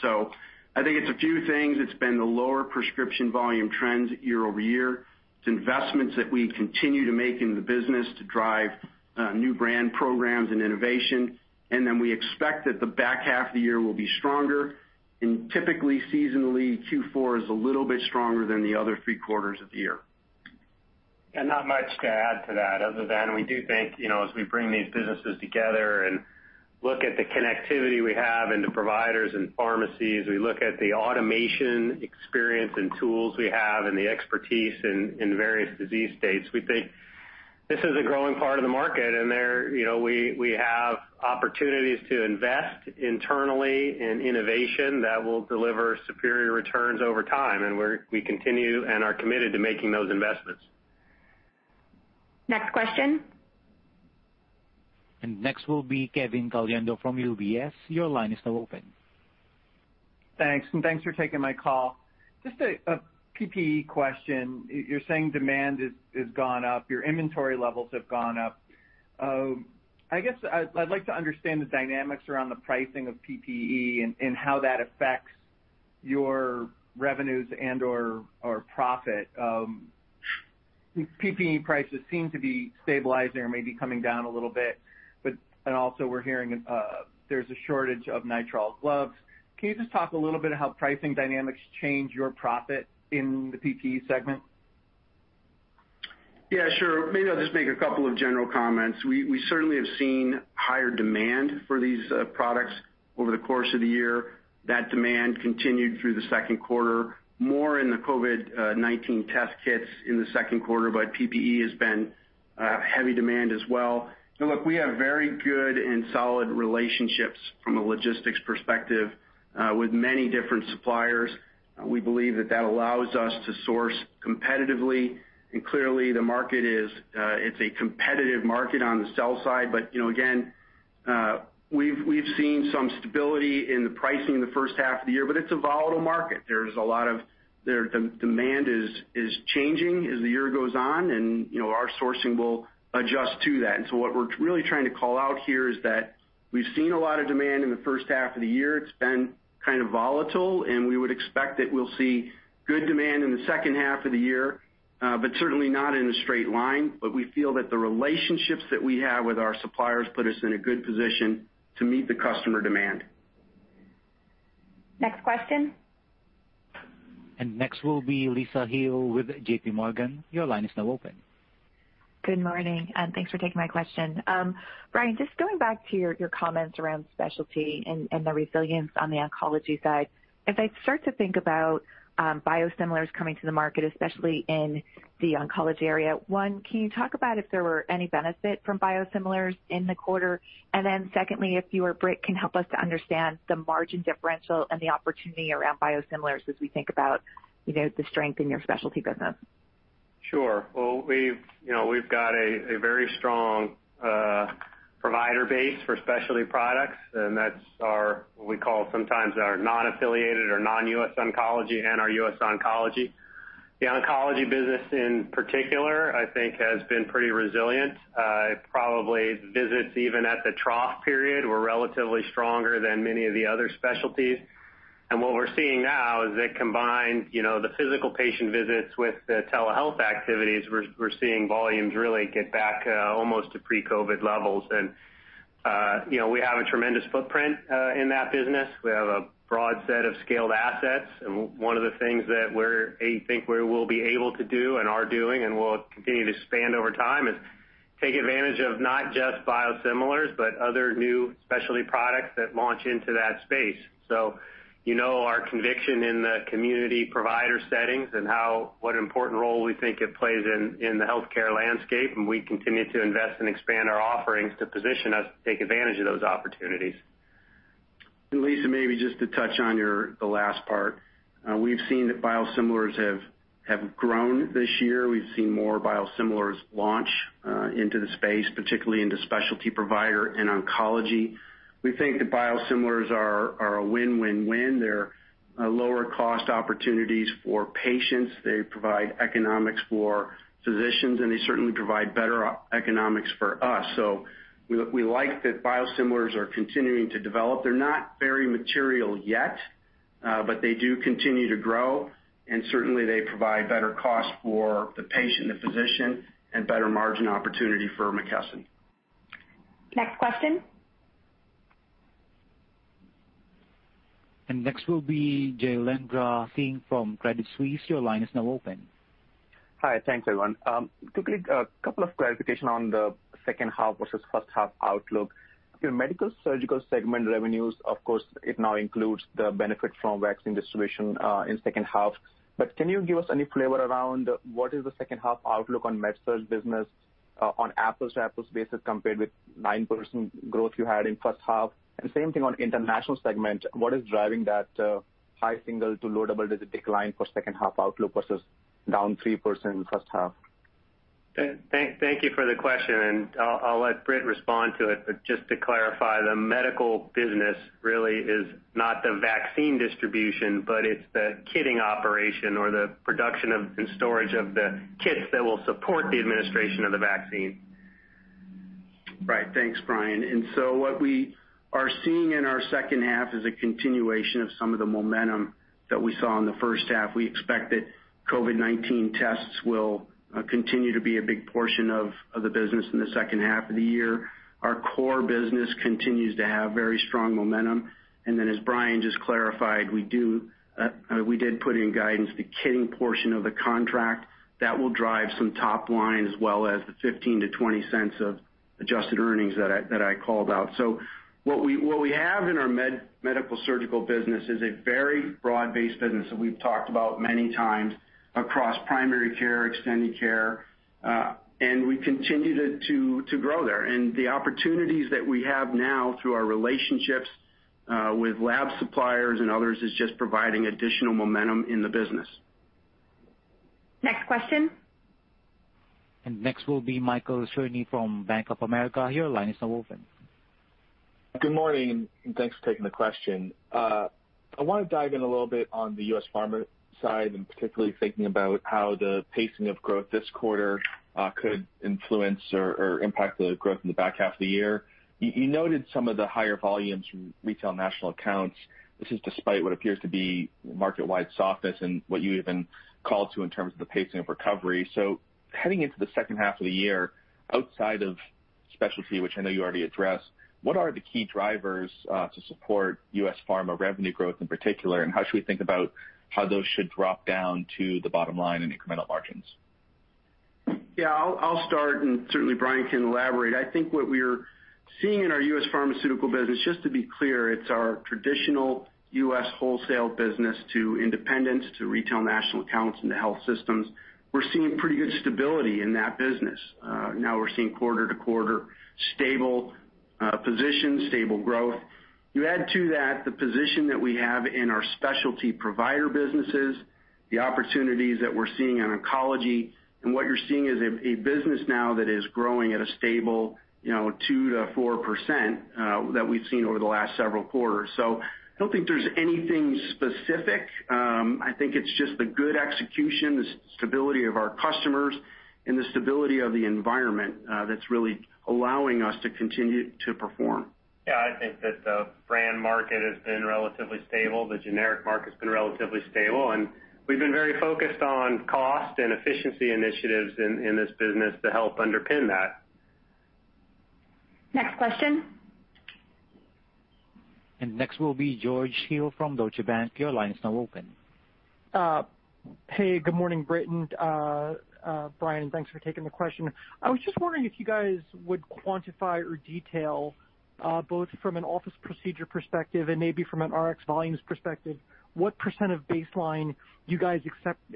I think it's a few things. It's been the lower prescription volume trends year-over-year. It's investments that we continue to make in the business to drive new brand programs and innovation. We expect that the back half of the year will be stronger, typically seasonally, Q4 is a little bit stronger than the other three quarters of the year. Not much to add to that other than we do think, as we bring these businesses together and look at the connectivity we have and the providers and pharmacies, we look at the automation experience and tools we have and the expertise in various disease states, we think this is a growing part of the market, and we have opportunities to invest internally in innovation that will deliver superior returns over time, and we continue and are committed to making those investments. Next question. Next will be Kevin Caliendo from UBS. Your line is now open. Thanks for taking my call. Just a PPE question. You're saying demand has gone up. Your inventory levels have gone up. I guess I'd like to understand the dynamics around the pricing of PPE and how that affects your revenues and/or profit. PPE prices seem to be stabilizing or maybe coming down a little bit, and also we're hearing there's a shortage of nitrile gloves. Can you just talk a little bit of how pricing dynamics change your profit in the PPE segment? Yeah, sure. Maybe I'll just make a couple of general comments. We certainly have seen higher demand for these products over the course of the year. That demand continued through the second quarter, more in the COVID-19 test kits in the second quarter, but PPE has been heavy demand as well. Look, we have very good and solid relationships from a logistics perspective with many different suppliers. We believe that that allows us to source competitively. Clearly, the market is a competitive market on the sell side. Again, we've seen some stability in the pricing in the first half of the year, but it's a volatile market. The demand is changing as the year goes on, and our sourcing will adjust to that. What we're really trying to call out here is that we've seen a lot of demand in the first half of the year. It's been kind of volatile, and we would expect that we'll see good demand in the second half of the year. Certainly not in a straight line. We feel that the relationships that we have with our suppliers put us in a good position to meet the customer demand. Next question. Next will be Lisa Gill with JPMorgan. Good morning, and thanks for taking my question. Brian, just going back to your comments around specialty and the resilience on the oncology side. As I start to think about biosimilars coming to the market, especially in the oncology area, one, can you talk about if there were any benefit from biosimilars in the quarter? Secondly, if you or Britt can help us to understand the margin differential and the opportunity around biosimilars as we think about the strength in your specialty business. Sure. Well, we've got a very strong provider base for specialty products, and that's what we call sometimes our non-affiliated or non-US Oncology and our US Oncology. The oncology business in particular, I think, has been pretty resilient. Probably visits, even at the trough period, were relatively stronger than many of the other specialties. What we're seeing now is that combined, the physical patient visits with the telehealth activities, we're seeing volumes really get back almost to pre-COVID levels. We have a tremendous footprint in that business. We have a broad set of scaled assets. One of the things that we think we will be able to do and are doing and will continue to expand over time is take advantage of not just biosimilars, but other new specialty products that launch into that space. You know our conviction in the community provider settings and what important role we think it plays in the healthcare landscape, and we continue to invest and expand our offerings to position us to take advantage of those opportunities. Lisa, maybe just to touch on the last part. We've seen that biosimilars have grown this year. We've seen more biosimilars launch into the space, particularly into specialty provider and oncology. We think that biosimilars are a win-win-win. They're lower cost opportunities for patients. They provide economics for physicians, and they certainly provide better economics for us. We like that biosimilars are continuing to develop. They're not very material yet, but they do continue to grow, and certainly they provide better cost for the patient, the physician, and better margin opportunity for McKesson. Next question. Next will be Jailendra Singh from Credit Suisse. Your line is now open. Hi. Thanks, everyone. Quickly, a couple of clarification on the second half versus first half outlook. Your Medical-Surgical segment revenues, of course, it now includes the benefit from vaccine distribution in second half. Can you give us any flavor around what is the second half outlook on Medical-Surgical business on apples-to-apples basis compared with 9% growth you had in first half? Same thing on International segment. What is driving that high single to low double-digit decline for second half outlook versus down 3% in first half? Thank you for the question, I'll let Britt respond to it. Just to clarify, the medical business really is not the vaccine distribution, but it's the kitting operation or the production and storage of the kits that will support the administration of the vaccine. Britt. Thanks, Brian. What we are seeing in our second half is a continuation of some of the momentum that we saw in the first half. We expect that COVID-19 tests will continue to be a big portion of the business in the second half of the year. Our core business continues to have very strong momentum. As Brian just clarified, we did put in guidance the kitting portion of the contract that will drive some top line, as well as the $0.15-$0.20 of adjusted earnings that I called out. What we have in our Medical-Surgical Solutions is a very broad-based business that we've talked about many times across primary care, extended care, and we continue to grow there. The opportunities that we have now through our relationships with lab suppliers and others is just providing additional momentum in the business. Next question. Next will be Michael Cherny from Bank of America. Your line is now open. Good morning. Thanks for taking the question. I want to dive in a little bit on the U.S. pharma side, and particularly thinking about how the pacing of growth this quarter could influence or impact the growth in the back half of the year. You noted some of the higher volumes from retail national accounts. This is despite what appears to be market-wide softness and what you even called to in terms of the pacing of recovery. Heading into the second half of the year, outside of specialty, which I know you already addressed, what are the key drivers to support U.S. pharma revenue growth in particular, and how should we think about how those should drop down to the bottom line in incremental margins? I'll start, and certainly Brian can elaborate. I think what we're seeing in our U.S. Pharmaceutical business, just to be clear, it's our traditional U.S. wholesale business to independents, to retail national accounts, and to health systems. We're seeing pretty good stability in that business. We're seeing quarter-to-quarter stable position, stable growth. You add to that the position that we have in our specialty provider businesses, the opportunities that we're seeing in oncology, and what you're seeing is a business now that is growing at a stable 2%-4% that we've seen over the last several quarters. I don't think there's anything specific. I think it's just the good execution, the stability of our customers, and the stability of the environment that's really allowing us to continue to perform. Yeah, I think that the brand market has been relatively stable. The generic market's been relatively stable, and we've been very focused on cost and efficiency initiatives in this business to help underpin that. Next question. Next will be George Hill from Deutsche Bank. Your line is now open. Hey, good morning, Britt and Brian, thanks for taking the question. I was just wondering if you guys would quantify or detail, both from an office procedure perspective and maybe from an RX volumes perspective, what percent of baseline you guys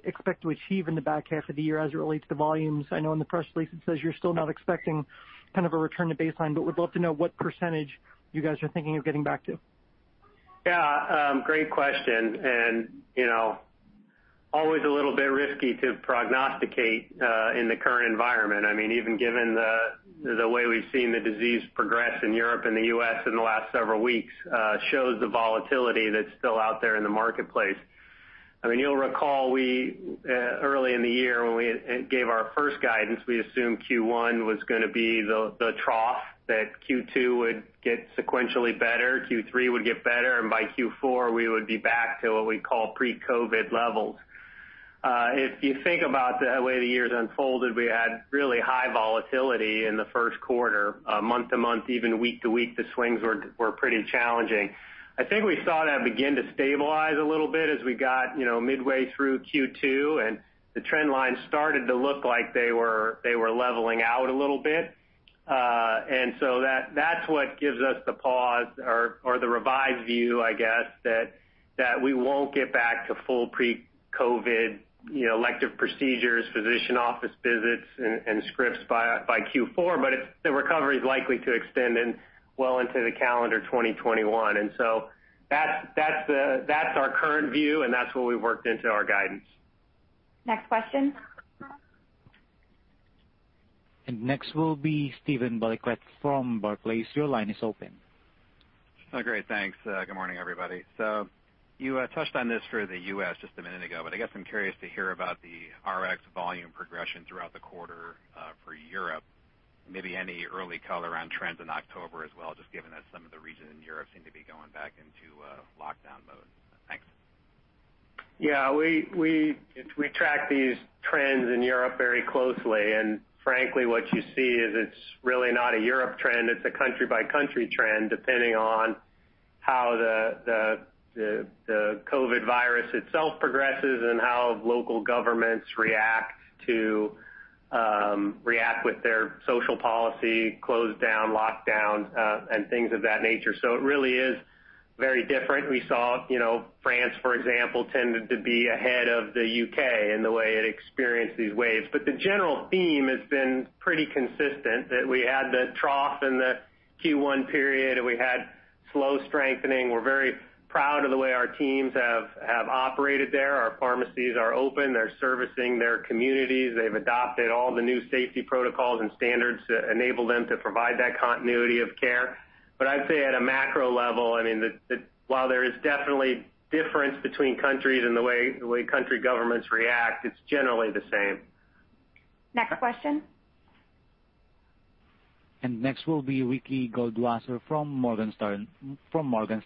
expect to achieve in the back half of the year as it relates to volumes. I know in the press release it says you're still not expecting kind of a return to baseline. Would love to know what percentage you guys are thinking of getting back to. Yeah. Great question, always a little bit risky to prognosticate in the current environment. Even given the way we've seen the disease progress in Europe and the U.S. in the last several weeks shows the volatility that's still out there in the marketplace. You'll recall early in the year when we gave our first guidance, we assumed Q1 was going to be the trough, that Q2 would get sequentially better, Q3 would get better, by Q4 we would be back to what we call pre-COVID levels. If you think about the way the year's unfolded, we had really high volatility in the first quarter, month to month, even week to week, the swings were pretty challenging. I think we saw that begin to stabilize a little bit as we got midway through Q2, the trend lines started to look like they were leveling out a little bit. That's what gives us the pause or the revised view, I guess, that we won't get back to full pre-COVID elective procedures, physician office visits, and scripts by Q4, but the recovery's likely to extend in well into calendar 2021. That's our current view, and that's what we've worked into our guidance. Next question. Next will be Steven Valiquette from Barclays. Your line is open. Oh, great, thanks. Good morning, everybody. You touched on this for the U.S. just a minute ago, but I guess I'm curious to hear about the Rx volume progression throughout the quarter for Europe, and maybe any early color around trends in October as well, just given that some of the regions in Europe seem to be going back into lockdown mode. Thanks. Yeah. We track these trends in Europe very closely, and frankly, what you see is it's really not a Europe trend, it's a country-by-country trend, depending on how the COVID virus itself progresses and how local governments react with their social policy, close down, lockdowns, and things of that nature. It really is very different. We saw France, for example, tended to be ahead of the U.K. in the way it experienced these waves. The general theme has been pretty consistent, that we had the trough in the Q1 period, and we had slow strengthening. We're very proud of the way our teams have operated there. Our pharmacies are open. They're servicing their communities. They've adopted all the new safety protocols and standards to enable them to provide that continuity of care. I'd say at a macro level, while there is definitely difference between countries and the way country governments react, it's generally the same. Next question. Next will be Ricky Goldwasser from Morgan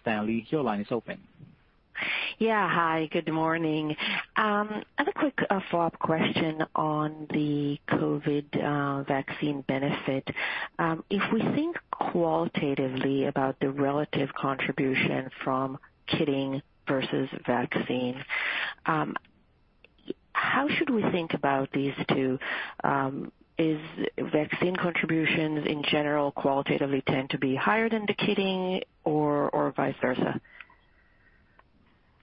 Stanley. Your line is open. Yeah. Hi, good morning. I have a quick follow-up question on the COVID vaccine benefit. If we think qualitatively about the relative contribution from kitting versus vaccine, how should we think about these two? Is vaccine contributions in general qualitatively tend to be higher than the kitting or vice versa?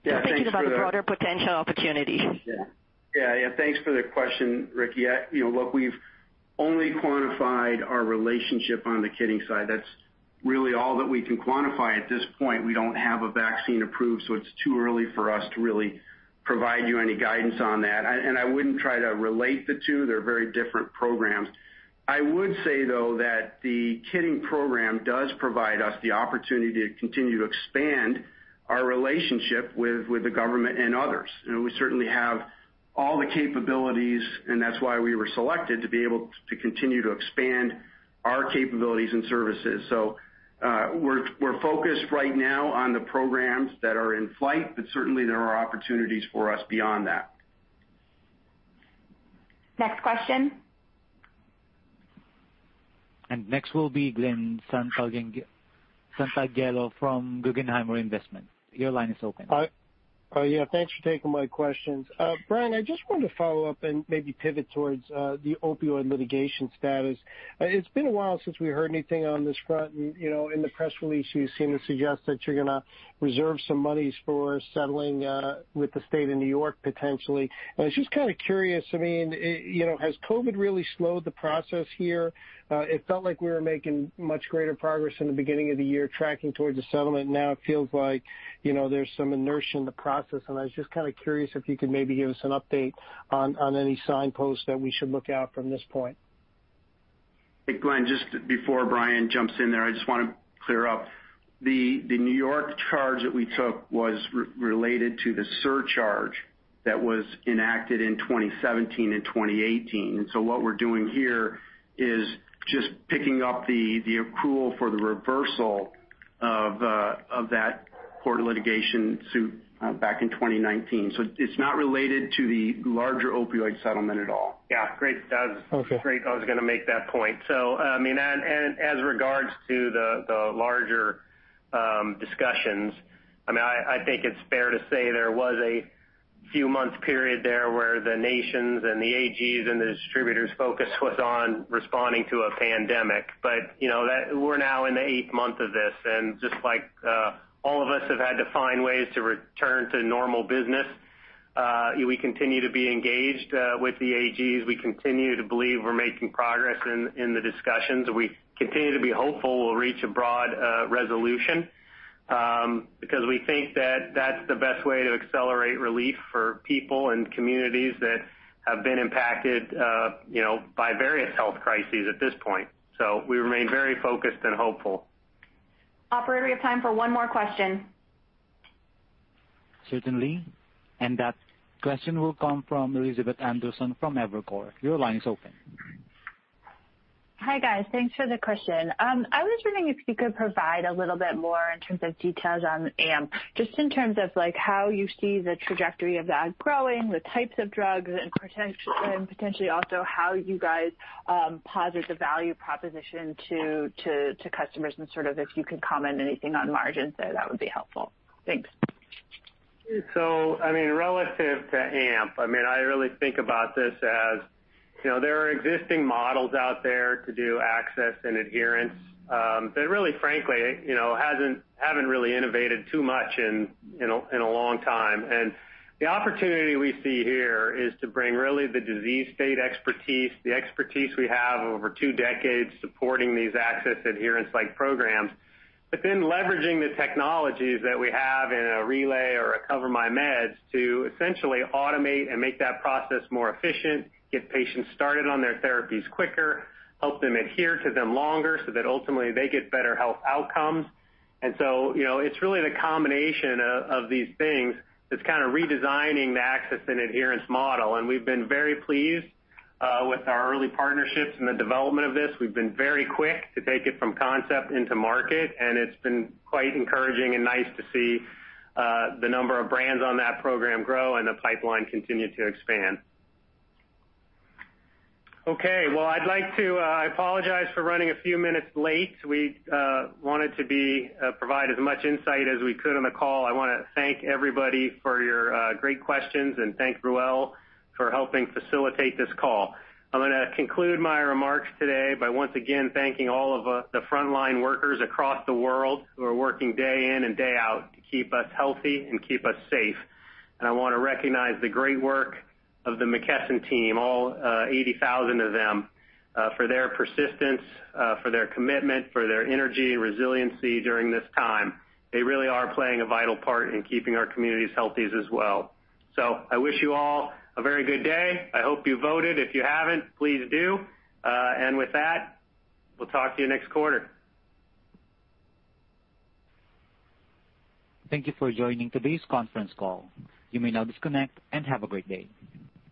Yeah, thanks for. I'm thinking about the broader potential opportunities. Yeah. Thanks for the question, Ricky. Look, we've only quantified our relationship on the kitting side. That's really all that we can quantify at this point. We don't have a vaccine approved, so it's too early for us to really provide you any guidance on that. I wouldn't try to relate the two. They're very different programs. I would say, though, that the kitting program does provide us the opportunity to continue to expand our relationship with the government and others. We certainly have all the capabilities, and that's why we were selected to be able to continue to expand our capabilities and services. We're focused right now on the programs that are in flight, but certainly there are opportunities for us beyond that. Next question. Next will be Glen Santangelo from Guggenheim Investments. Your line is open. Hi. Yeah, thanks for taking my questions. Brian, I just wanted to follow up and maybe pivot towards the opioid litigation status. It's been a while since we heard anything on this front and in the press release you seem to suggest that you're going to reserve some monies for settling with the state of New York potentially. I was just kind of curious, has COVID really slowed the process here? It felt like we were making much greater progress in the beginning of the year tracking towards a settlement. Now it feels like there's some inertia in the process, and I was just kind of curious if you could maybe give us an update on any signposts that we should look out from this point. Hey, Glen, just before Brian jumps in there, I just want to clear up. The New York charge that we took was related to the surcharge that was enacted in 2017 and 2018. What we're doing here is just picking up the accrual for the reversal of that court litigation suit back in 2019. It's not related to the larger opioid settlement at all. Yeah. Great, [Doug]. Okay. Great. I was going to make that point. As regards to the larger discussions, I think it's fair to say there was a few month period there where the nations and the AGs and the distributors' focus was on responding to a pandemic. We're now in the eighth month of this, and just like all of us have had to find ways to return to normal business, we continue to be engaged with the AGs. We continue to believe we're making progress in the discussions. We continue to be hopeful we'll reach a broad resolution, because we think that that's the best way to accelerate relief for people and communities that have been impacted by various health crises at this point. We remain very focused and hopeful. Operator, we have time for one more question. Certainly. That question will come from Elizabeth Anderson from Evercore. Your line is open. Hi, guys. Thanks for the question. I was wondering if you could provide a little bit more in terms of details on AMP, just in terms of how you see the trajectory of that growing, the types of drugs, and potentially also how you guys posit the value proposition to customers and sort of if you could comment anything on margins there, that would be helpful. Thanks. Relative to AMP, I really think about this as there are existing models out there to do access and adherence, that really frankly, haven't really innovated too much in a long time. The opportunity we see here is to bring really the disease state expertise, the expertise we have over two decades supporting these access adherence-like programs. Leveraging the technologies that we have in a Relay or a CoverMyMeds to essentially automate and make that process more efficient, get patients started on their therapies quicker, help them adhere to them longer, so that ultimately they get better health outcomes. It's really the combination of these things that's kind of redesigning the access and adherence model. We've been very pleased with our early partnerships and the development of this. We've been very quick to take it from concept into market, and it's been quite encouraging and nice to see the number of brands on that program grow and the pipeline continue to expand. Okay, well, I apologize for running a few minutes late. We wanted to provide as much insight as we could on the call. I want to thank everybody for your great questions and thank Raul for helping facilitate this call. I'm going to conclude my remarks today by once again thanking all of the frontline workers across the world who are working day in and day out to keep us healthy and keep us safe. I want to recognize the great work of the McKesson team, all 80,000 of them, for their persistence, for their commitment, for their energy and resiliency during this time. They really are playing a vital part in keeping our communities healthy as well. I wish you all a very good day. I hope you voted. If you haven't, please do. With that, we'll talk to you next quarter. Thank you for joining today's conference call. You may now disconnect and have a great day.